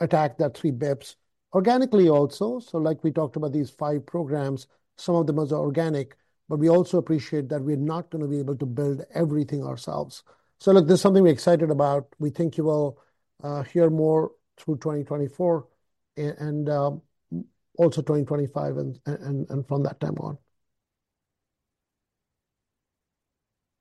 attack that three bits organically also. So like we talked about these five programs, some of them are organic, but we also appreciate that we're not going to be able to build everything ourselves. So look, this is something we're excited about. We think you will hear more through 2024 and also 2025 and from that time on.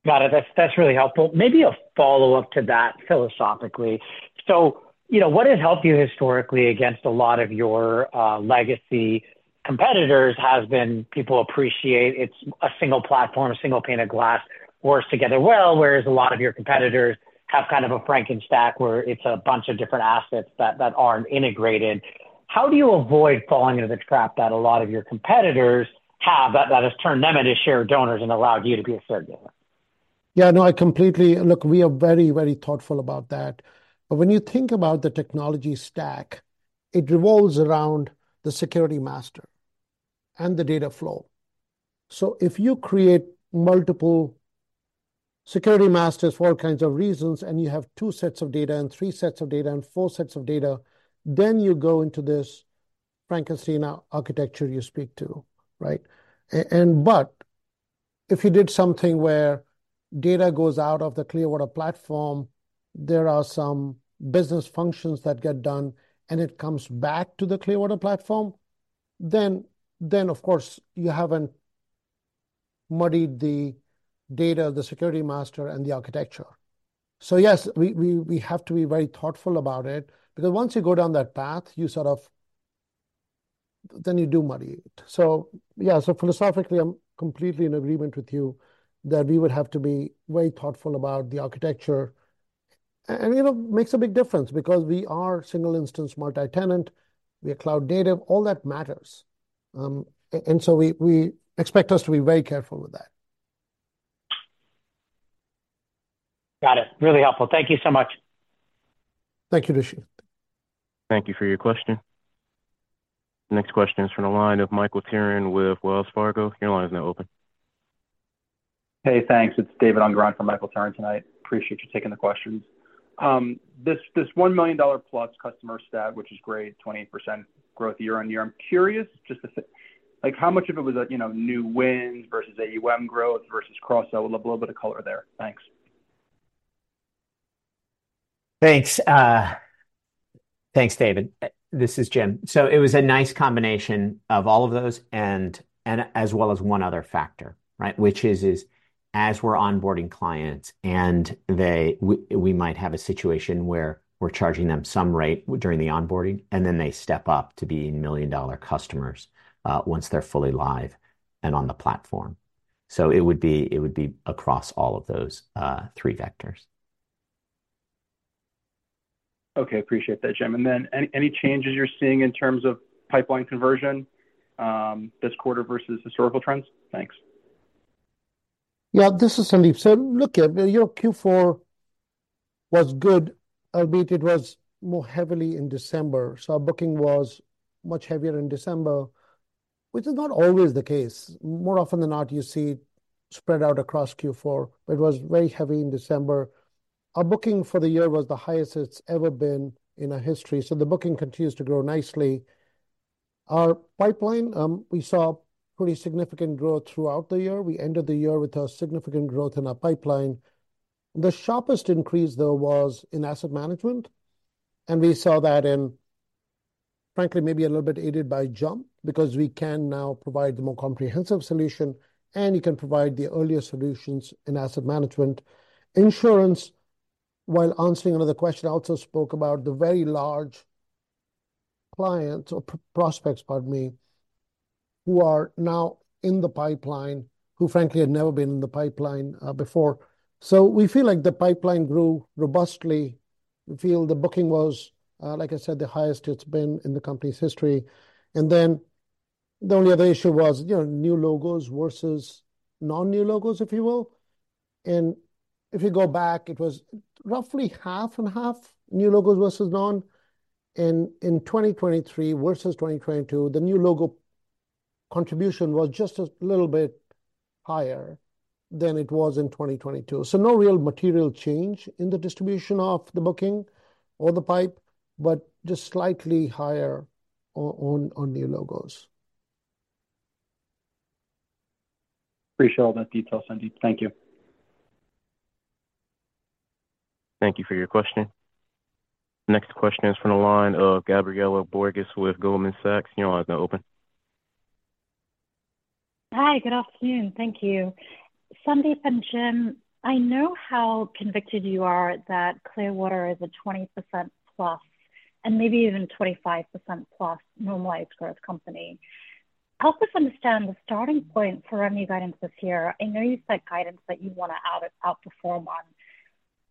Got it. That's, that's really helpful. Maybe a follow-up to that philosophically. So, you know, what has helped you historically against a lot of your legacy competitors has been people appreciate it's a single platform, a single pane of glass, works together well, whereas a lot of your competitors have kind of a Frankenstack, where it's a bunch of different assets that, that aren't integrated. How do you avoid falling into the trap that a lot of your competitors have, but that has turned them into share donors and allowed you to be a share donor? Yeah, no, I completely... Look, we are very, very thoughtful about that. But when you think about the technology stack, it revolves around the security master and the data flow. So if you create multiple security masters for all kinds of reasons, and you have two sets of data, and three sets of data, and four sets of data, then you go into this Frankenstein architecture you speak to, right? And but if you did something where data goes out of the Clearwater platform, there are some business functions that get done, and it comes back to the Clearwater platform, then, of course, you haven't muddied the data, the security master, and the architecture. So yes, we have to be very thoughtful about it, because once you go down that path, you sort of... Then you do muddy it. Yeah, so philosophically, I'm completely in agreement with you that we would have to be very thoughtful about the architecture. And, you know, it makes a big difference because we are Single-Instance multi-tenant, we are cloud-native, all that matters. And so we, we expect us to be very careful with that. Got it. Really helpful. Thank you so much. Thank you, Rishi. Thank you for your question. The next question is from the line of Michael Turrin with Wells Fargo. Your line is now open. Hey, thanks. It's David Unger from Michael Turrin tonight. Appreciate you taking the questions. This, this +$1 million customer stat, which is great, 28% growth year-over-year. I'm curious just to... Like, how much of it was, you know, new wins versus AUM growth versus cross-sell? Would love a little bit of color there. Thanks.... Thanks, David. This is Jim. So it was a nice combination of all of those and as well as one other factor, right? Which is as we're onboarding clients, and we might have a situation where we're charging them some rate during the onboarding, and then they step up to being million-dollar customers once they're fully live and on the platform. So it would be across all of those three vectors. Okay, appreciate that, Jim. And then any changes you're seeing in terms of pipeline conversion, this quarter versus historical trends? Thanks. Yeah, this is Sandeep. So look, your Q4 was good, albeit it was more heavily in December. So our booking was much heavier in December, which is not always the case. More often than not, you see it spread out across Q4, but it was very heavy in December. Our booking for the year was the highest it's ever been in our history, so the booking continues to grow nicely. Our pipeline, we saw pretty significant growth throughout the year. We ended the year with a significant growth in our pipeline. The sharpest increase, though, was in asset management, and we saw that in, frankly, maybe a little bit aided by JUMP, because we can now provide a more comprehensive solution, and you can provide the earlier solutions in asset management. Insurance, while answering another question, I also spoke about the very large clients or prospects, pardon me, who are now in the pipeline, who frankly had never been in the pipeline before. So we feel like the pipeline grew robustly. We feel the booking was, like I said, the highest it's been in the company's history. And then the only other issue was, you know, new logos versus non-new logos, if you will. And if you go back, it was roughly half and half new logos versus non. In 2023 versus 2022, the new logo contribution was just a little bit higher than it was in 2022. So no real material change in the distribution of the booking or the pipe, but just slightly higher on new logos. Appreciate all that detail, Sandeep. Thank you. Thank you for your question. Next question is from the line of Gabriela Borges with Goldman Sachs. You know your line is now open. Hi, good afternoon. Thank you. Sandeep and Jim, I know how convicted you are that Clearwater is a 20%+, and maybe even 25%+ normalized growth company. Help us understand the starting point for revenue guidance this year. I know you set guidance that you want to outperform on,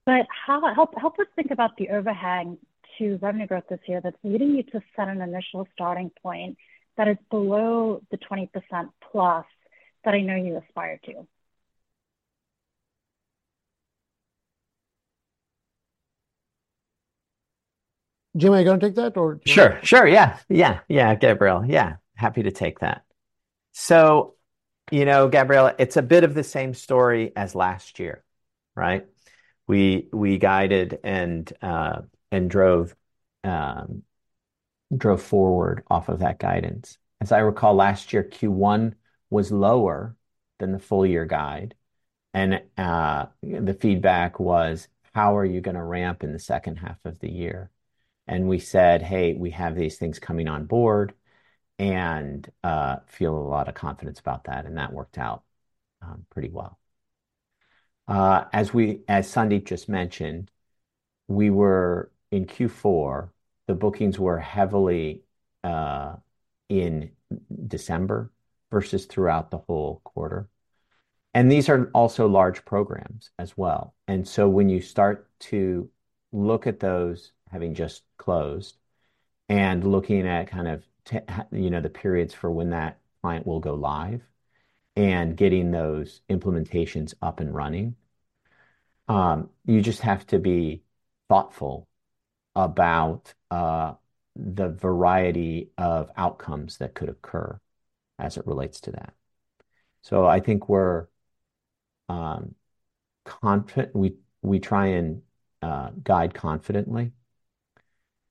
but how... Help, help us think about the overhang to revenue growth this year that's leading you to set an initial starting point that is below the 20%+ that I know you aspire to. Jim, are you going to take that or- Sure, sure. Yeah, yeah, yeah, Gabriela. Yeah, happy to take that. So, you know, Gabriela, it's a bit of the same story as last year, right? We, we guided and, and drove, drove forward off of that guidance. As I recall, last year, Q1 was lower than the full year guide, and, the feedback was, "How are you going to ramp in the second half of the year?" And we said, "Hey, we have these things coming on board, and, feel a lot of confidence about that." And that worked out, pretty well. As we as Sandeep just mentioned, we were in Q4, the bookings were heavily, in December versus throughout the whole quarter. And these are also large programs as well. And so when you start to look at those having just closed and looking at kind of, you know, the periods for when that client will go live and getting those implementations up and running, you just have to be thoughtful about the variety of outcomes that could occur as it relates to that. So I think we're confident. We try and guide confidently,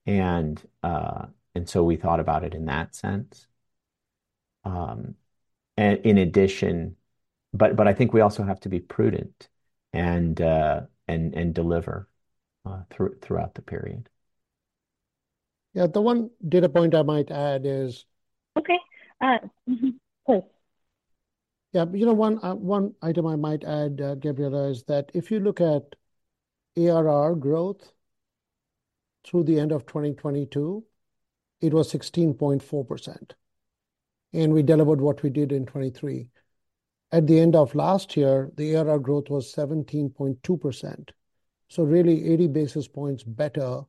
and so we thought about it in that sense. And in addition, but I think we also have to be prudent and deliver throughout the period. Yeah, the one data point I might add is- Okay, mm-hmm. Please. Yeah, you know, one item I might add, Gabriela, is that if you look at ARR growth through the end of 2022, it was 16.4%, and we delivered what we did in 2023. At the end of last year, the ARR growth was 17.2%, so really 80 basis points better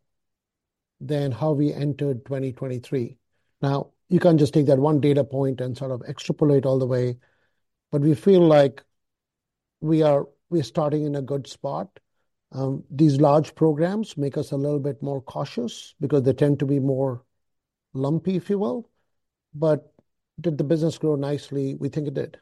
than how we entered 2023. Now, you can't just take that one data point and sort of extrapolate all the way, but we feel like we're starting in a good spot. These large programs make us a little bit more cautious because they tend to be more lumpy, if you will. But did the business grow nicely? We think it did. ...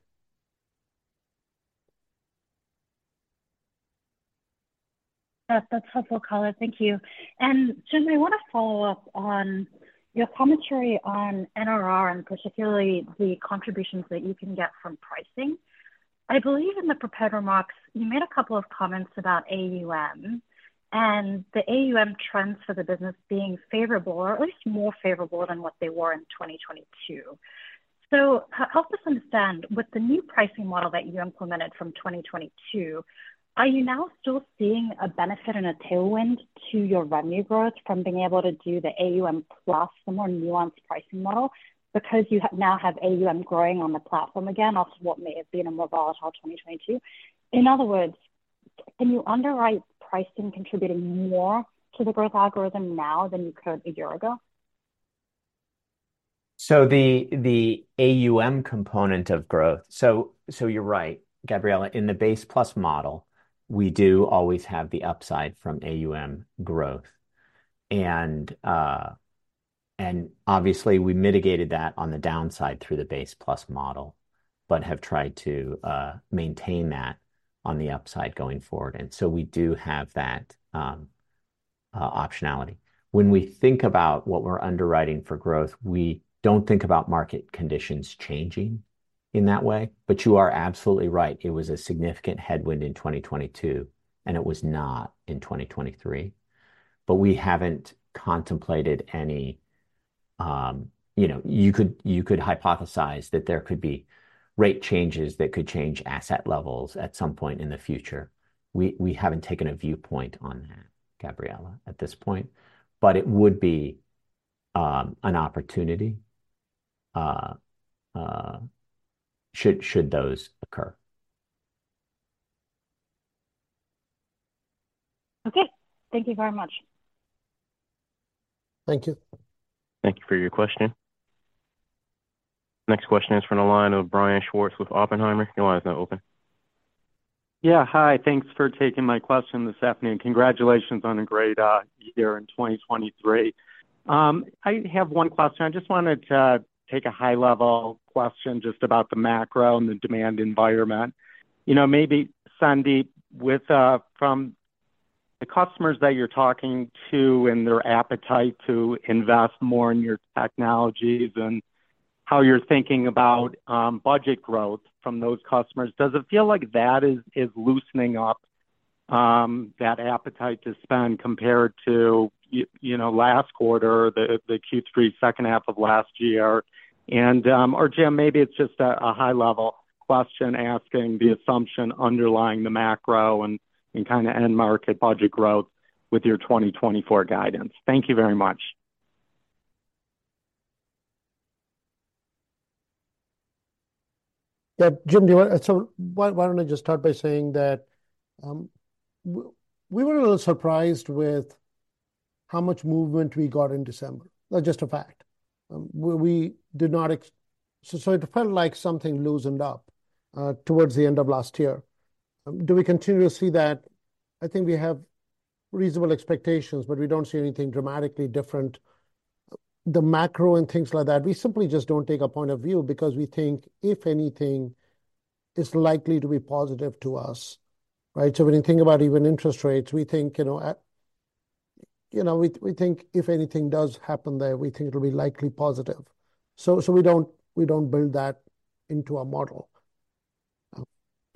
That's helpful, color, thank you. Jim, I want to follow up on your commentary on NRR, and particularly the contributions that you can get from pricing. I believe in the prepared remarks, you made a couple of comments about AUM, and the AUM trends for the business being favorable or at least more favorable than what they were in 2022. So help us understand, with the new pricing model that you implemented from 2022, are you now still seeing a benefit and a tailwind to your revenue growth from being able to do the AUM plus the more nuanced pricing model? Because you now have AUM growing on the platform again, after what may have been a more volatile 2022. In other words, can you underwrite pricing contributing more to the growth algorithm now than you could a year ago? So you're right, Gabriela, in the base plus model, we do always have the upside from AUM growth. And obviously, we mitigated that on the downside through the base plus model, but have tried to maintain that on the upside going forward, and so we do have that optionality. When we think about what we're underwriting for growth, we don't think about market conditions changing in that way. But you are absolutely right, it was a significant headwind in 2022, and it was not in 2023. But we haven't contemplated any. You know, you could hypothesize that there could be rate changes that could change asset levels at some point in the future. We haven't taken a viewpoint on that, Gabriela, at this point, but it would be an opportunity should those occur. Okay. Thank you very much. Thank you. Thank you for your question. Next question is from the line of Brian Schwartz with Oppenheimer. Your line is now open. Yeah, hi. Thanks for taking my question this afternoon. Congratulations on a great year in 2023. I have one question. I just wanted to take a high-level question just about the macro and the demand environment. You know, maybe Sandeep, with from the customers that you're talking to and their appetite to invest more in your technologies and how you're thinking about budget growth from those customers, does it feel like that is loosening up that appetite to spend compared to you know, last quarter, the Q3 second half of last year? And or Jim, maybe it's just a high-level question asking the assumption underlying the macro and kind of end-market budget growth with your 2024 guidance. Thank you very much. Yeah, Jim, why don't I just start by saying that we were a little surprised with how much movement we got in December. That's just a fact. So it felt like something loosened up towards the end of last year. Do we continue to see that? I think we have reasonable expectations, but we don't see anything dramatically different. The macro and things like that, we simply just don't take a point of view because we think, if anything, it's likely to be positive to us, right? So when you think about even interest rates, we think, you know, at- you know, we think if anything does happen there, we think it'll be likely positive. So we don't build that into our model.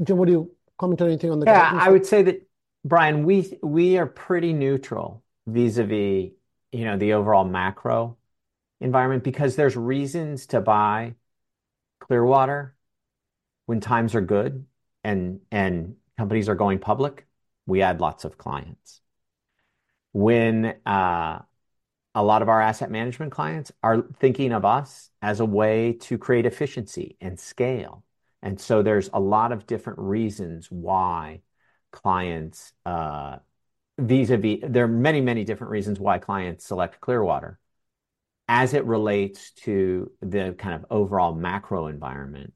Jim, would you comment on anything on the- Yeah, I would say that, Brian, we are pretty neutral vis-à-vis, you know, the overall macro environment, because there are reasons to buy Clearwater when times are good and companies are going public. We add lots of clients. When a lot of our asset management clients are thinking of us as a way to create efficiency and scale, and so there are a lot of different reasons why clients vis-à-vis there are many, many different reasons why clients select Clearwater. As it relates to the kind of overall macro environment,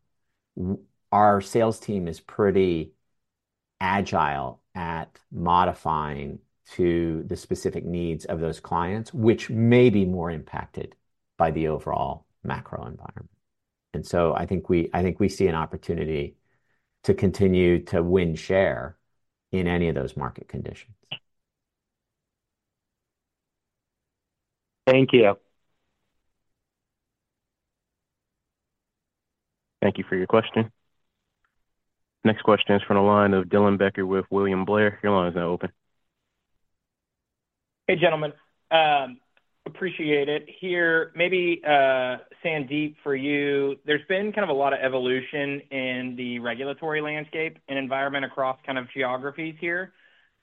our sales team is pretty agile at modifying to the specific needs of those clients, which may be more impacted by the overall macro environment. And so I think we see an opportunity to continue to win share in any of those market conditions. Thank you. Thank you for your question. Next question is from the line of Dylan Becker with William Blair. Your line is now open. Hey, gentlemen, appreciate it. Here, maybe, Sandeep, for you, there's been kind of a lot of evolution in the regulatory landscape and environment across kind of geographies here,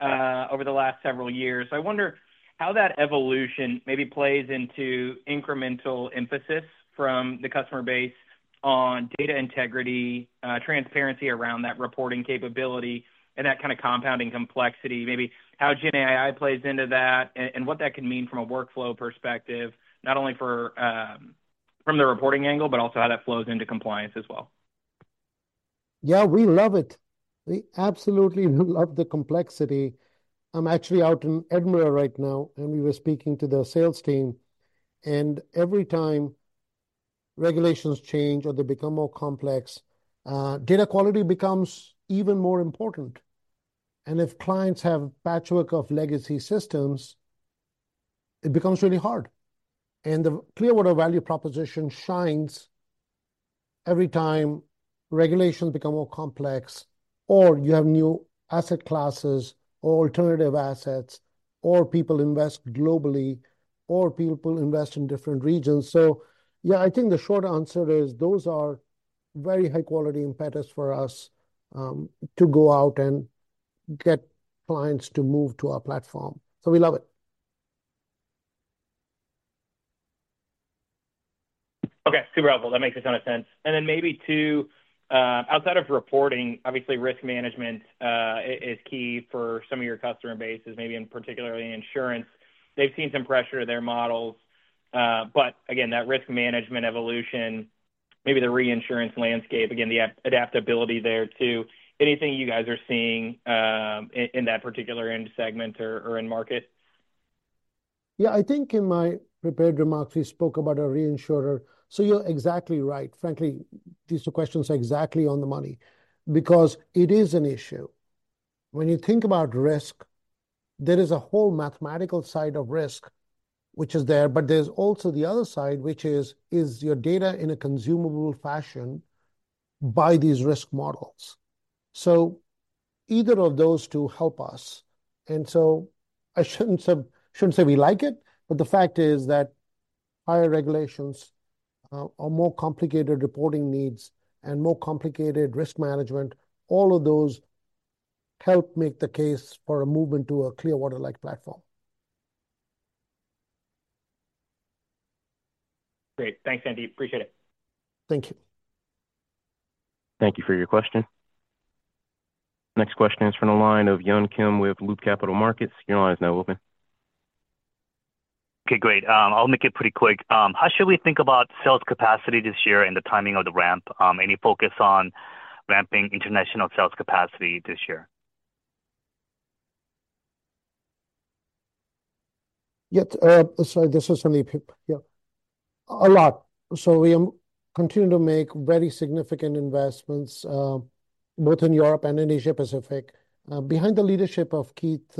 over the last several years. I wonder how that evolution maybe plays into incremental emphasis from the customer base on data integrity, transparency around that reporting capability, and that kind of compounding complexity, maybe how GenAI plays into that, and what that can mean from a workflow perspective, not only for, from the reporting angle, but also how that flows into compliance as well. Yeah, we love it. We absolutely love the complexity. I'm actually out in Edinburgh right now, and we were speaking to the sales team, and every time regulations change or they become more complex, data quality becomes even more important. And if clients have a patchwork of legacy systems, it becomes really hard. And the Clearwater value proposition shines every time regulations become more complex, or you have new asset classes, or alternative assets, or people invest globally, or people invest in different regions. So yeah, I think the short answer is those are very high-quality impetus for us, to go out and get clients to move to our platform, so we love it. Okay, super helpful. That makes a ton of sense. And then maybe, two, outside of reporting, obviously, risk management is key for some of your customer bases, maybe particularly in insurance. They've seen some pressure to their models, but again, that risk management evolution, maybe the reinsurance landscape, again, the adaptability there, too. Anything you guys are seeing in that particular end segment or end market? Yeah, I think in my prepared remarks, we spoke about a reinsurer, so you're exactly right. Frankly, these two questions are exactly on the money because it is an issue. When you think about risk, there is a whole mathematical side of risk which is there, but there's also the other side, which is, is your data in a consumable fashion by these risk models? So either of those two help us, and so I shouldn't say, shouldn't say we like it, but the fact is that higher regulations, or more complicated reporting needs and more complicated risk management, all of those help make the case for a movement to a Clearwater-like platform. Great. Thanks, Sandeep. Appreciate it. Thank you. Thank you for your question. Next question is from the line of Yun Kim with Loop Capital Markets. Your line is now open. Okay, great. I'll make it pretty quick. How should we think about sales capacity this year and the timing of the ramp? Any focus on ramping international sales capacity this year? Yes, so this is Sandeep. Yeah, a lot. So we continue to make very significant investments, both in Europe and in Asia Pacific. Behind the leadership of Keith,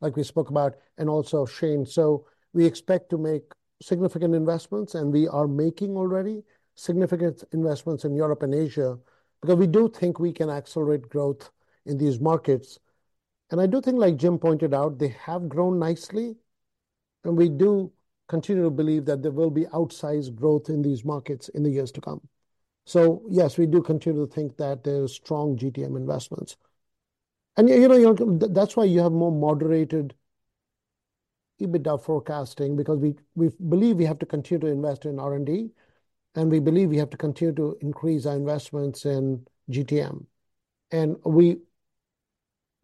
like we spoke about, and also Shane. So we expect to make significant investments, and we are making already significant investments in Europe and Asia because we do think we can accelerate growth in these markets. And I do think, like Jim pointed out, they have grown nicely, and we do continue to believe that there will be outsized growth in these markets in the years to come. So yes, we do continue to think that there's strong GTM investments. And, you know, Yun, that's why you have more moderated EBITDA forecasting, because we, we believe we have to continue to invest in R&D, and we believe we have to continue to increase our investments in GTM.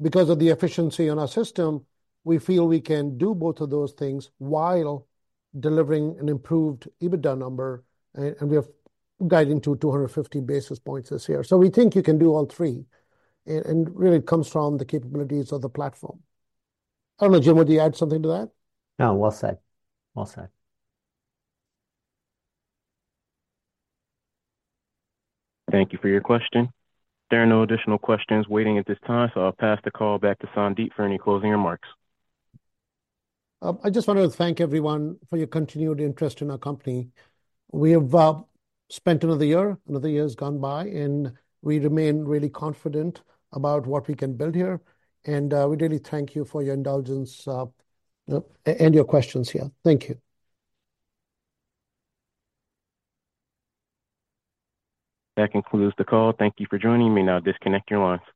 Because of the efficiency in our system, we feel we can do both of those things while delivering an improved EBITDA number, and we are guiding to 250 basis points this year. So we think you can do all three, and really it comes from the capabilities of the platform. I don't know, Jim, would you add something to that? No, well said. Well said. Thank you for your question. There are no additional questions waiting at this time, so I'll pass the call back to Sandeep for any closing remarks. I just wanted to thank everyone for your continued interest in our company. We have spent another year, another year has gone by, and we remain really confident about what we can build here, and we really thank you for your indulgence, and your questions here. Thank you. That concludes the call. Thank you for joining me. Now disconnect your lines.